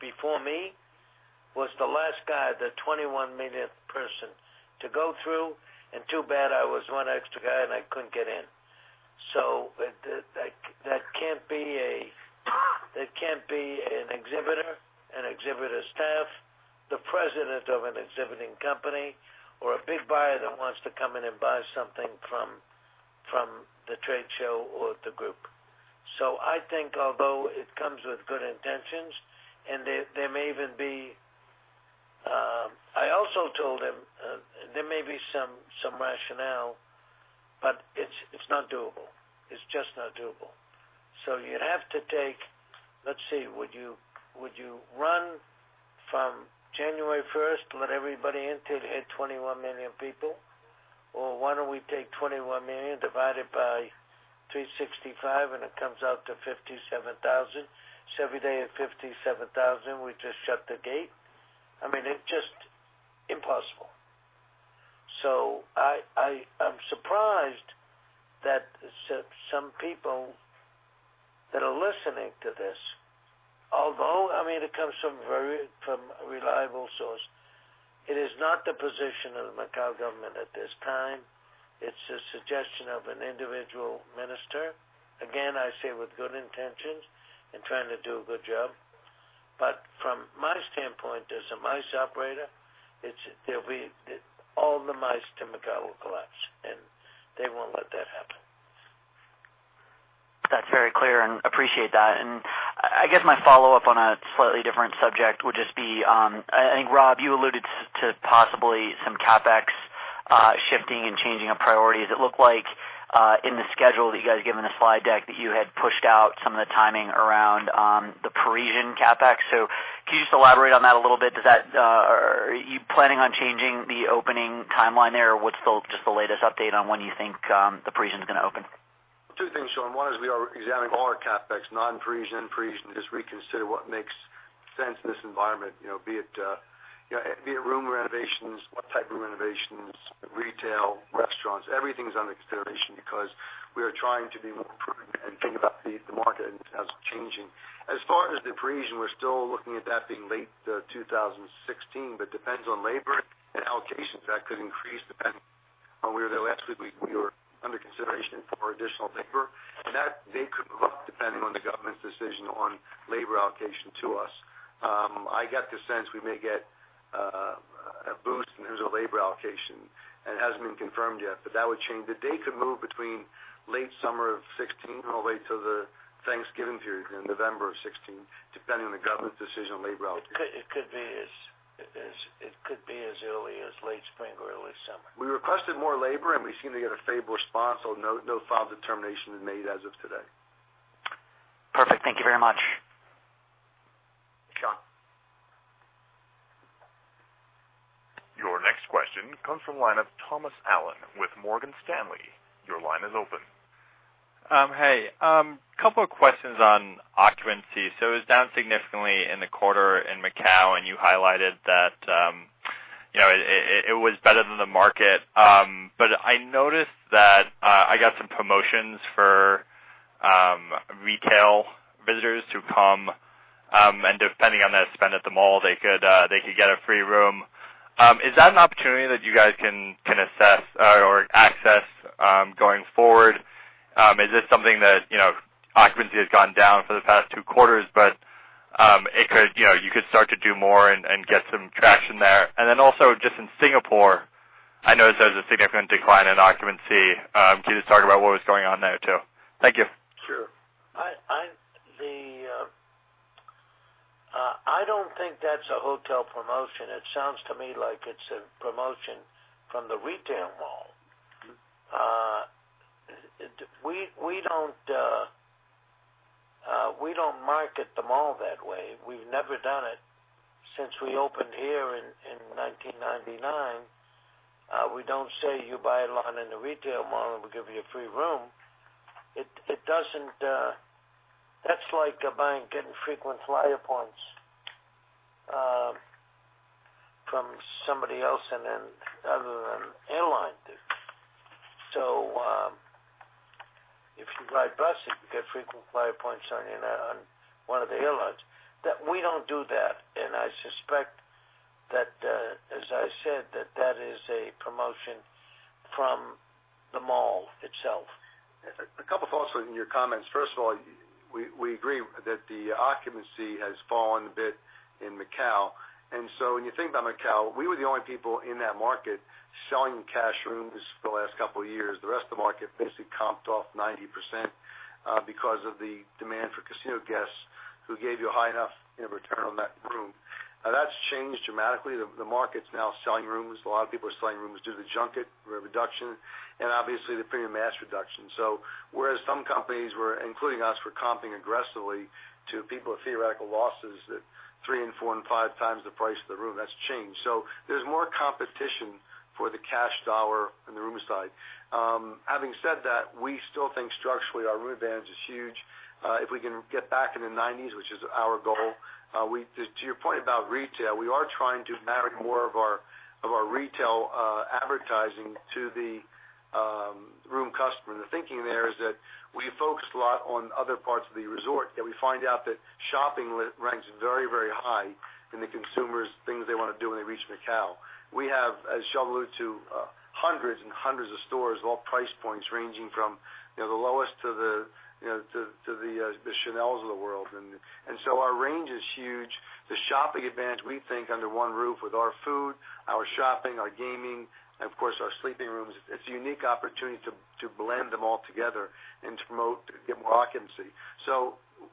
before me was the last guy, the 21 millionth person to go through, and too bad I was one extra guy, and I couldn't get in. That can't be an exhibitor, an exhibitor staff, the president of an exhibiting company, or a big buyer that wants to come in and buy something from the trade show or the group. I think although it comes with good intentions, and there may even be I also told him there may be some rationale, but it's not doable. It's just not doable. You'd have to take, let's see, would you run from January 1st, let everybody in till you hit 21 million people? Or why don't we take 21 million divided by 365, and it comes out to 57,000. Every day at 57,000, we just shut the gate. I mean, it's just impossible. I'm surprised that some people that are listening to this, although it comes from a reliable source, it is not the position of the Macau government at this time. It's a suggestion of an individual minister, again, I say with good intentions and trying to do a good job. From my standpoint as a MICE operator, all the MICE to Macau will collapse, and they won't let that happen. That's very clear, appreciate that. I guess my follow-up on a slightly different subject would just be, I think, Rob, you alluded to possibly some CapEx shifting and changing of priorities. It looked like in the schedule that you guys gave in the slide deck, that you had pushed out some of the timing around The Parisian CapEx. Can you just elaborate on that a little bit? Are you planning on changing the opening timeline there, or what's just the latest update on when you think The Parisian's going to open? Two things, Shaun Kelley. One is we are examining all our CapEx, non-Parisian, Parisian, just reconsider what makes sense in this environment, be it room renovations, what type of renovations, retail, restaurants. Everything's under consideration because we are trying to be more prudent and think about the market as changing. As far as the Parisian, we're still looking at that being late 2016. Depends on labor and allocations. That could increase depending on where they're at. Last week, we were under consideration for additional labor, and that date could move up depending on the government's decision on labor allocation to us. I get the sense we may get a boost in terms of labor allocation. It hasn't been confirmed yet. That would change. The date could move between late summer of 2016 all the way to the Thanksgiving period in November of 2016, depending on the government's decision on labor allocation. It could be as early as late spring or early summer. We requested more labor. We seem to get a favorable response. No final determination is made as of today. Perfect. Thank you very much. Sure. Your next question comes from the line of Thomas Allen with Morgan Stanley. Your line is open. Hey. Couple of questions on occupancy. It was down significantly in the quarter in Macau, you highlighted that it was better than the market. I noticed that I got some promotions for retail visitors to come, depending on their spend at the mall, they could get a free room. Is that an opportunity that you guys can assess or access going forward? Is this something that occupancy has gone down for the past two quarters, you could start to do more and get some traction there? Then also just in Singapore, I noticed there was a significant decline in occupancy. Can you just talk about what was going on there, too? Thank you. Sure. I don't think that's a hotel promotion. It sounds to me like it's a promotion from the retail mall. We don't market the mall that way. We've never done it since we opened here in 1999. We don't say, "You buy a lot in the retail mall, and we'll give you a free room." That's like a bank getting frequent flyer points from somebody else other than an airline. If you ride buses, you get frequent flyer points on one of the airlines. We don't do that, and I suspect that, as I said, that is a promotion from the mall itself. A couple of thoughts in your comments. First of all, we agree that the occupancy has fallen a bit in Macau. When you think about Macau, we were the only people in that market selling cash rooms for the last couple of years. The rest of the market basically comped off 90% because of the demand for casino guests who gave you a high enough return on that room. Now that's changed dramatically. The market's now selling rooms. A lot of people are selling rooms due to junket reduction and obviously the premium mass reduction. Whereas some companies, including us, were comping aggressively to people with theoretical losses at three and four and five times the price of the room, that's changed. There's more competition for the cash $ on the room side. Having said that, we still think structurally our room advantage is huge. If we can get back in the nineties, which is our goal. To your point about retail, we are trying to marry more of our retail advertising to the room customer. The thinking there is that we focused a lot on other parts of the resort, and we find out that shopping ranks very, very high in the consumers, things they want to do when they reach Macau. We have, as Sheldon alluded to, hundreds and hundreds of stores, all price points ranging from the lowest to the Chanel of the world. Our range is huge. The shopping advantage, we think under one roof with our food, our shopping, our gaming, and of course, our sleeping rooms, it's a unique opportunity to blend them all together and to promote, to get more occupancy.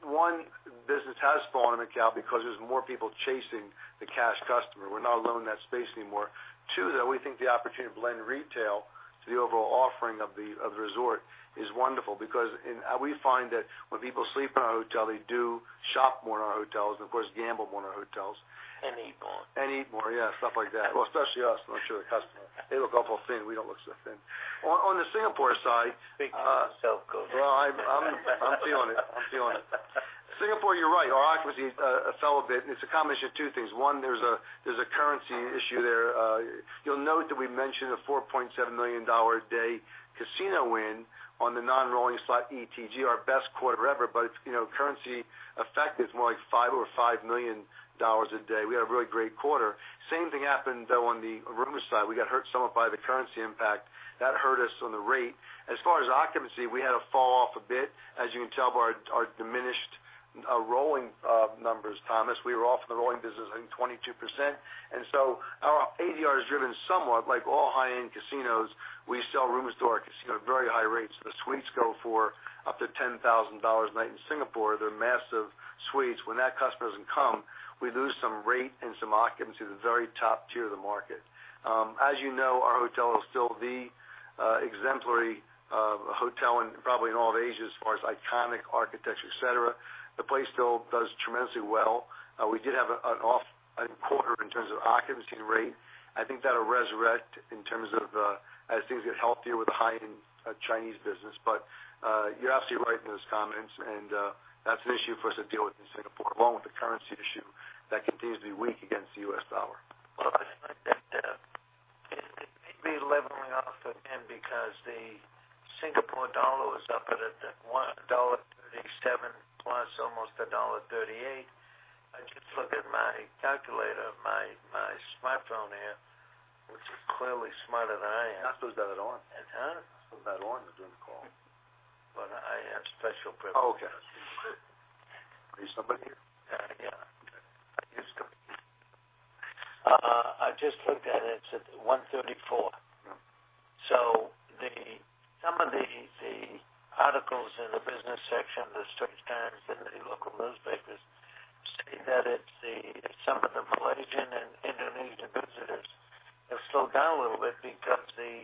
One, business has fallen in Macau because there's more people chasing the cash customer. We're not alone in that space anymore. Two, though, we think the opportunity to blend retail to the overall offering of the resort is wonderful because we find that when people sleep in our hotel, they do shop more in our hotels and, of course, gamble more in our hotels. Eat more. Eat more, yeah, stuff like that. Well, especially us. I'm sure the customer, they look awful thin. We don't look so thin. On the Singapore side. Speaking for yourself, Goldstein. Well, I'm feeling it. Singapore, you're right. Our occupancy fell a bit. It's a combination of two things. One, there's a currency issue there. You'll note that we mentioned a $4.7 million a day casino win on the non-rolling slot ETG, our best quarter ever. Currency effect is more like $5 million a day. We had a really great quarter. Same thing happened, though, on the room side. We got hurt somewhat by the currency impact. That hurt us on the rate. As far as occupancy, we had a fall off a bit, as you can tell by our diminished rolling numbers, Thomas. We were off in the rolling business, I think 22%. Our ADR is driven somewhat, like all high-end casinos, we sell rooms to our casino at very high rates. The suites go for up to $10,000 a night in Singapore. They're massive suites. When that customer doesn't come, we lose some rate and some occupancy at the very top tier of the market. As you know, our hotel is still the exemplary hotel probably in all of Asia as far as iconic architecture, et cetera. The place still does tremendously well. We did have an off quarter in terms of occupancy and rate. I think that'll resurrect in terms of as things get healthier with the high-end Chinese business. You're absolutely right in those comments. That's an issue for us to deal with in Singapore, along with the currency issue that continues to be weak against the U.S. dollar. Well, it may be leveling off again because the Singapore dollar was up at dollar 1.37 plus, almost dollar 1.38. I just looked at my calculator, my smartphone here, which is clearly smarter than I am. I suppose that on. Huh? I suppose that on during the call. I have special privileges. Okay. Are you somebody? Yeah. I used to be. I just looked at it. It's at 134. Yeah. Some of the articles in the business section of The Straits Times in the local newspapers say that some of the Malaysian and Indonesian visitors have slowed down a little bit because the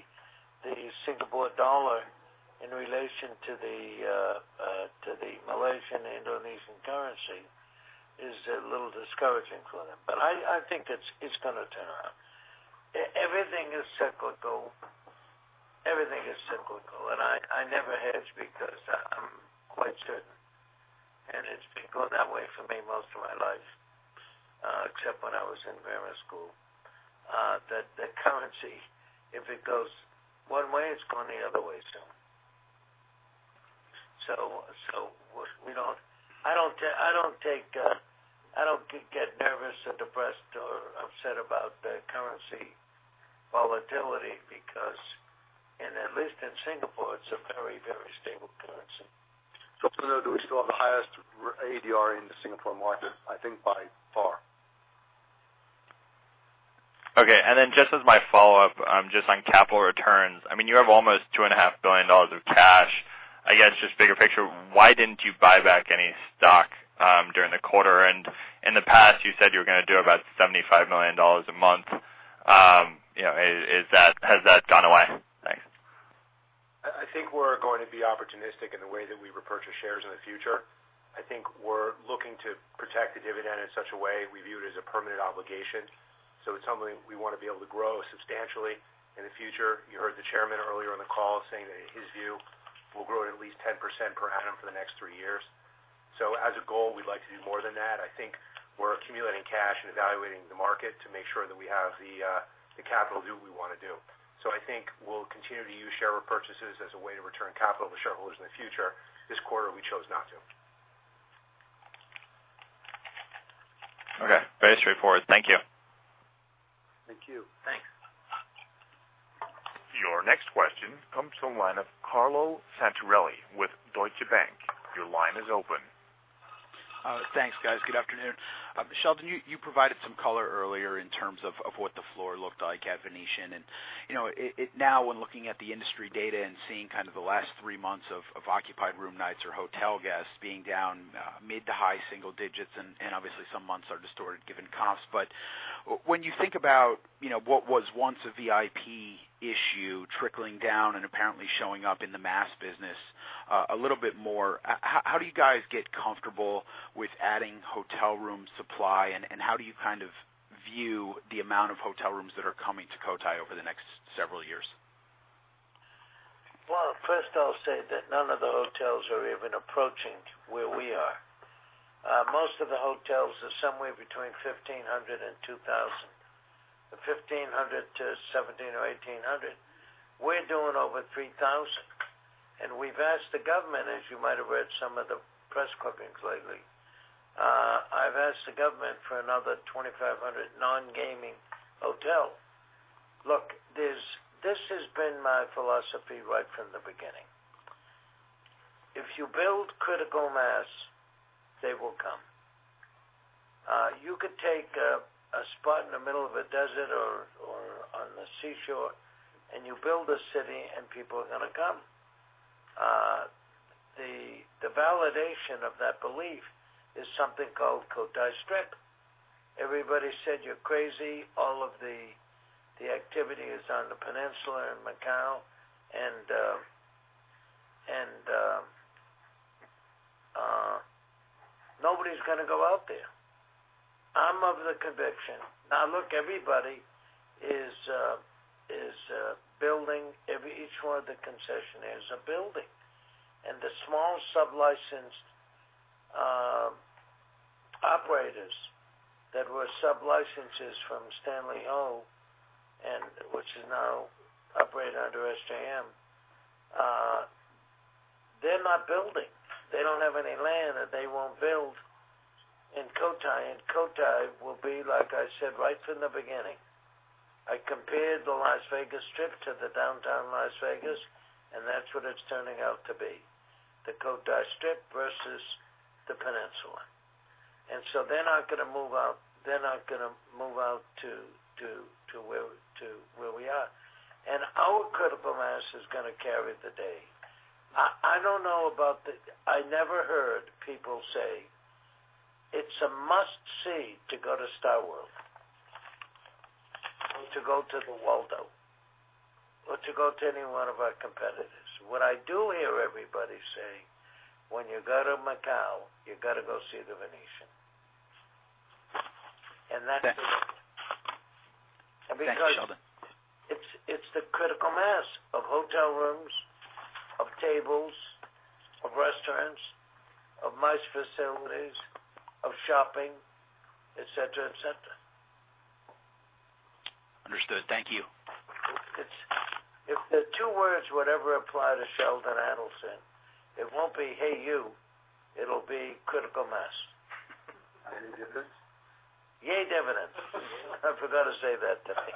Singapore dollar in relation to the Malaysian, Indonesian currency is a little discouraging for them. I think it's going to turn around. Everything is cyclical, and I never hedge because I'm quite certain, and it's been going that way for me most of my life, except when I was in grammar school, that the currency, if it goes one way, it's going the other way soon. I don't get nervous or depressed or upset about the currency volatility because, and at least in Singapore, it's a very, very stable currency. For now, do we still have the highest ADR in the Singapore market? I think by far. Okay, just as my follow-up, just on capital returns, you have almost $2.5 billion of cash. I guess just bigger picture, why didn't you buy back any stock during the quarter? In the past you said you were going to do about $75 million a month. Has that gone away? Thanks. I think we're going to be opportunistic in the way that we repurchase shares in the future. I think we're looking to protect the dividend in such a way we view it as a permanent obligation. It's something we want to be able to grow substantially in the future. You heard the chairman earlier on the call saying that in his view, we'll grow it at least 10% per annum for the next three years. As a goal, we'd like to do more than that. I think we're accumulating cash and evaluating the market to make sure that we have the capital to do what we want to do. I think we'll continue to use share repurchases as a way to return capital to shareholders in the future. This quarter, we chose not to. Okay, very straightforward. Thank you. Thank you. Thanks. Your next question comes from the line of Carlo Santarelli with Deutsche Bank. Your line is open. Thanks, guys. Good afternoon. Sheldon, you provided some color in terms of what the floor looked like at The Venetian. Now when looking at the industry data and seeing the last three months of occupied room nights or hotel guests being down mid to high single digits, obviously some months are distorted given comps. When you think about what was once a VIP issue trickling down and apparently showing up in the mass business a little bit more, how do you guys get comfortable with adding hotel room supply, and how do you view the amount of hotel rooms that are coming to Cotai over the next several years? Well, first I'll say that none of the hotels are even approaching where we are. Most of the hotels are somewhere between 1,500 and 2,000, or 1,500 to 1,700 or 1,800. We're doing over 3,000. We've asked the government, as you might have read some of the press clippings lately, I've asked the government for another 2,500 non-gaming hotel. Look, this has been my philosophy right from the beginning. If you build critical mass, they will come. You could take a spot in the middle of a desert or on the seashore, and you build a city, and people are going to come. The validation of that belief is something called Cotai Strip. Everybody said, "You're crazy. All of the activity is on the peninsula in Macau, and nobody's going to go out there." I'm of the conviction. Now, look, everybody is building. Each one of the concessionaires are building, and the small sub-licensed operators that were sub-licenses from Stanley Ho, which is now operating under SJM, they're not building. They don't have any land that they won't build in Cotai, and Cotai will be, like I said, right from the beginning, I compared the Las Vegas Strip to the downtown Las Vegas, and that's what it's turning out to be, the Cotai Strip versus the peninsula. They're not going to move out to where we are, and our critical mass is going to carry the day. I never heard people say, it's a must-see to go to StarWorld, or to go to the Waldo, or to go to any one of our competitors. What I do hear everybody say, when you go to Macau, you got to go see The Venetian. Thanks. And because- Thanks, Sheldon it's the critical mass of hotel rooms, of tables, of restaurants, of MICE facilities, of shopping, et cetera. Understood. Thank you. If the two words would ever apply to Sheldon Adelson, it won't be, hey, you, it'll be critical mass. Yay dividends. Yay dividends. I forgot to say that today.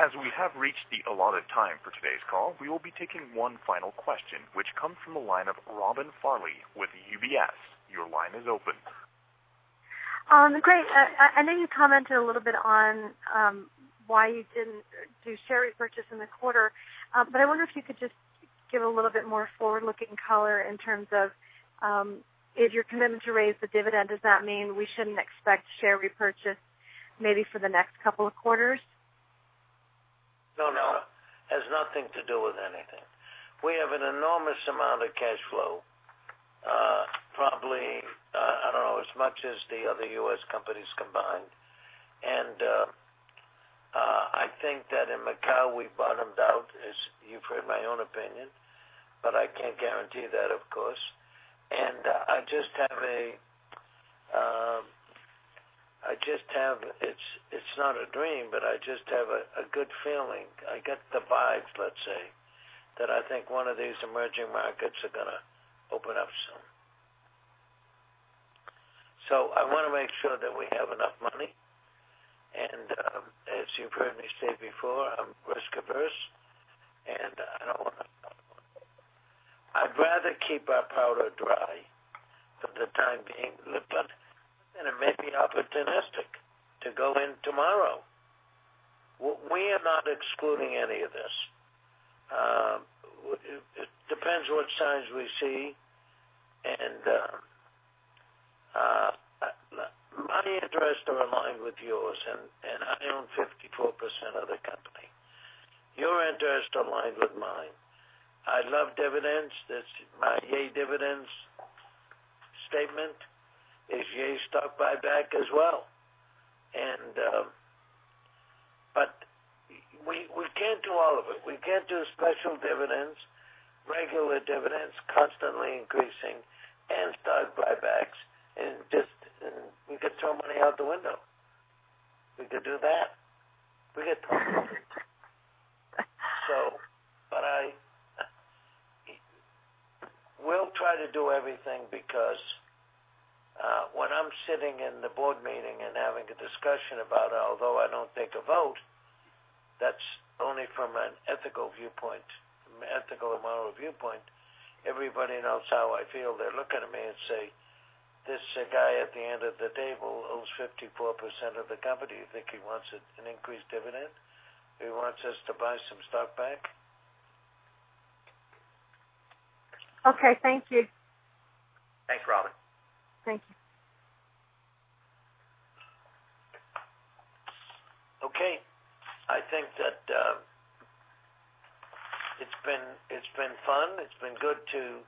As we have reached the allotted time for today's call, we will be taking one final question, which comes from the line of Robin Farley with UBS. Your line is open. Great. I know you commented a little bit on why you didn't do share repurchase in the quarter. I wonder if you could just give a little bit more forward-looking color in terms of, if you're committed to raise the dividend, does that mean we shouldn't expect share repurchase maybe for the next couple of quarters? No. It has nothing to do with anything. We have an enormous amount of cash flow, probably, I don't know, as much as the other U.S. companies combined. I think that in Macau, we bottomed out, as you've heard my own opinion, but I can't guarantee that, of course. I just have a good feeling. I get the vibes, let's say, that I think one of these emerging markets are going to open up soon. I want to make sure that we have enough money, and, as you've heard me say before, I'm risk averse, and I'd rather keep our powder dry for the time being than it may be opportunistic to go in tomorrow. We are not excluding any of this. It depends what signs we see, and my interests are aligned with yours, and I own 54% of the company. Your interests align with mine. I love dividends. My yay dividends statement is yay stock buyback as well. We can't do all of it. We can't do special dividends, regular dividends, constantly increasing, and stock buybacks, and just throw money out the window. We could do that. We could throw money. We'll try to do everything because, when I'm sitting in the board meeting and having a discussion about, although I don't take a vote, that's only from an ethical viewpoint, ethical and moral viewpoint. Everybody knows how I feel. They're looking at me and say, "This guy at the end of the table owns 54% of the company. You think he wants an increased dividend? He wants us to buy some stock back? Okay. Thank you. Thanks, Robin. Thank you. Okay. I think that it's been fun. It's been good to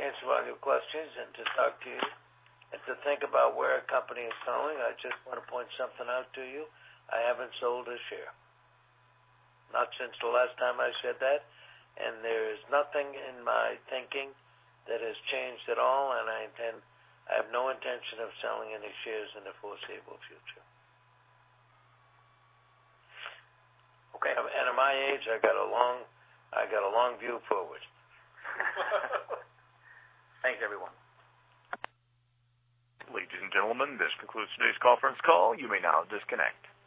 answer all your questions and to talk to you and to think about where a company is going. I just want to point something out to you. I haven't sold a share, not since the last time I said that. There is nothing in my thinking that has changed at all. I have no intention of selling any shares in the foreseeable future. Okay. At my age, I got a long view forward. Thanks, everyone. Ladies and gentlemen, this concludes today's conference call. You may now disconnect.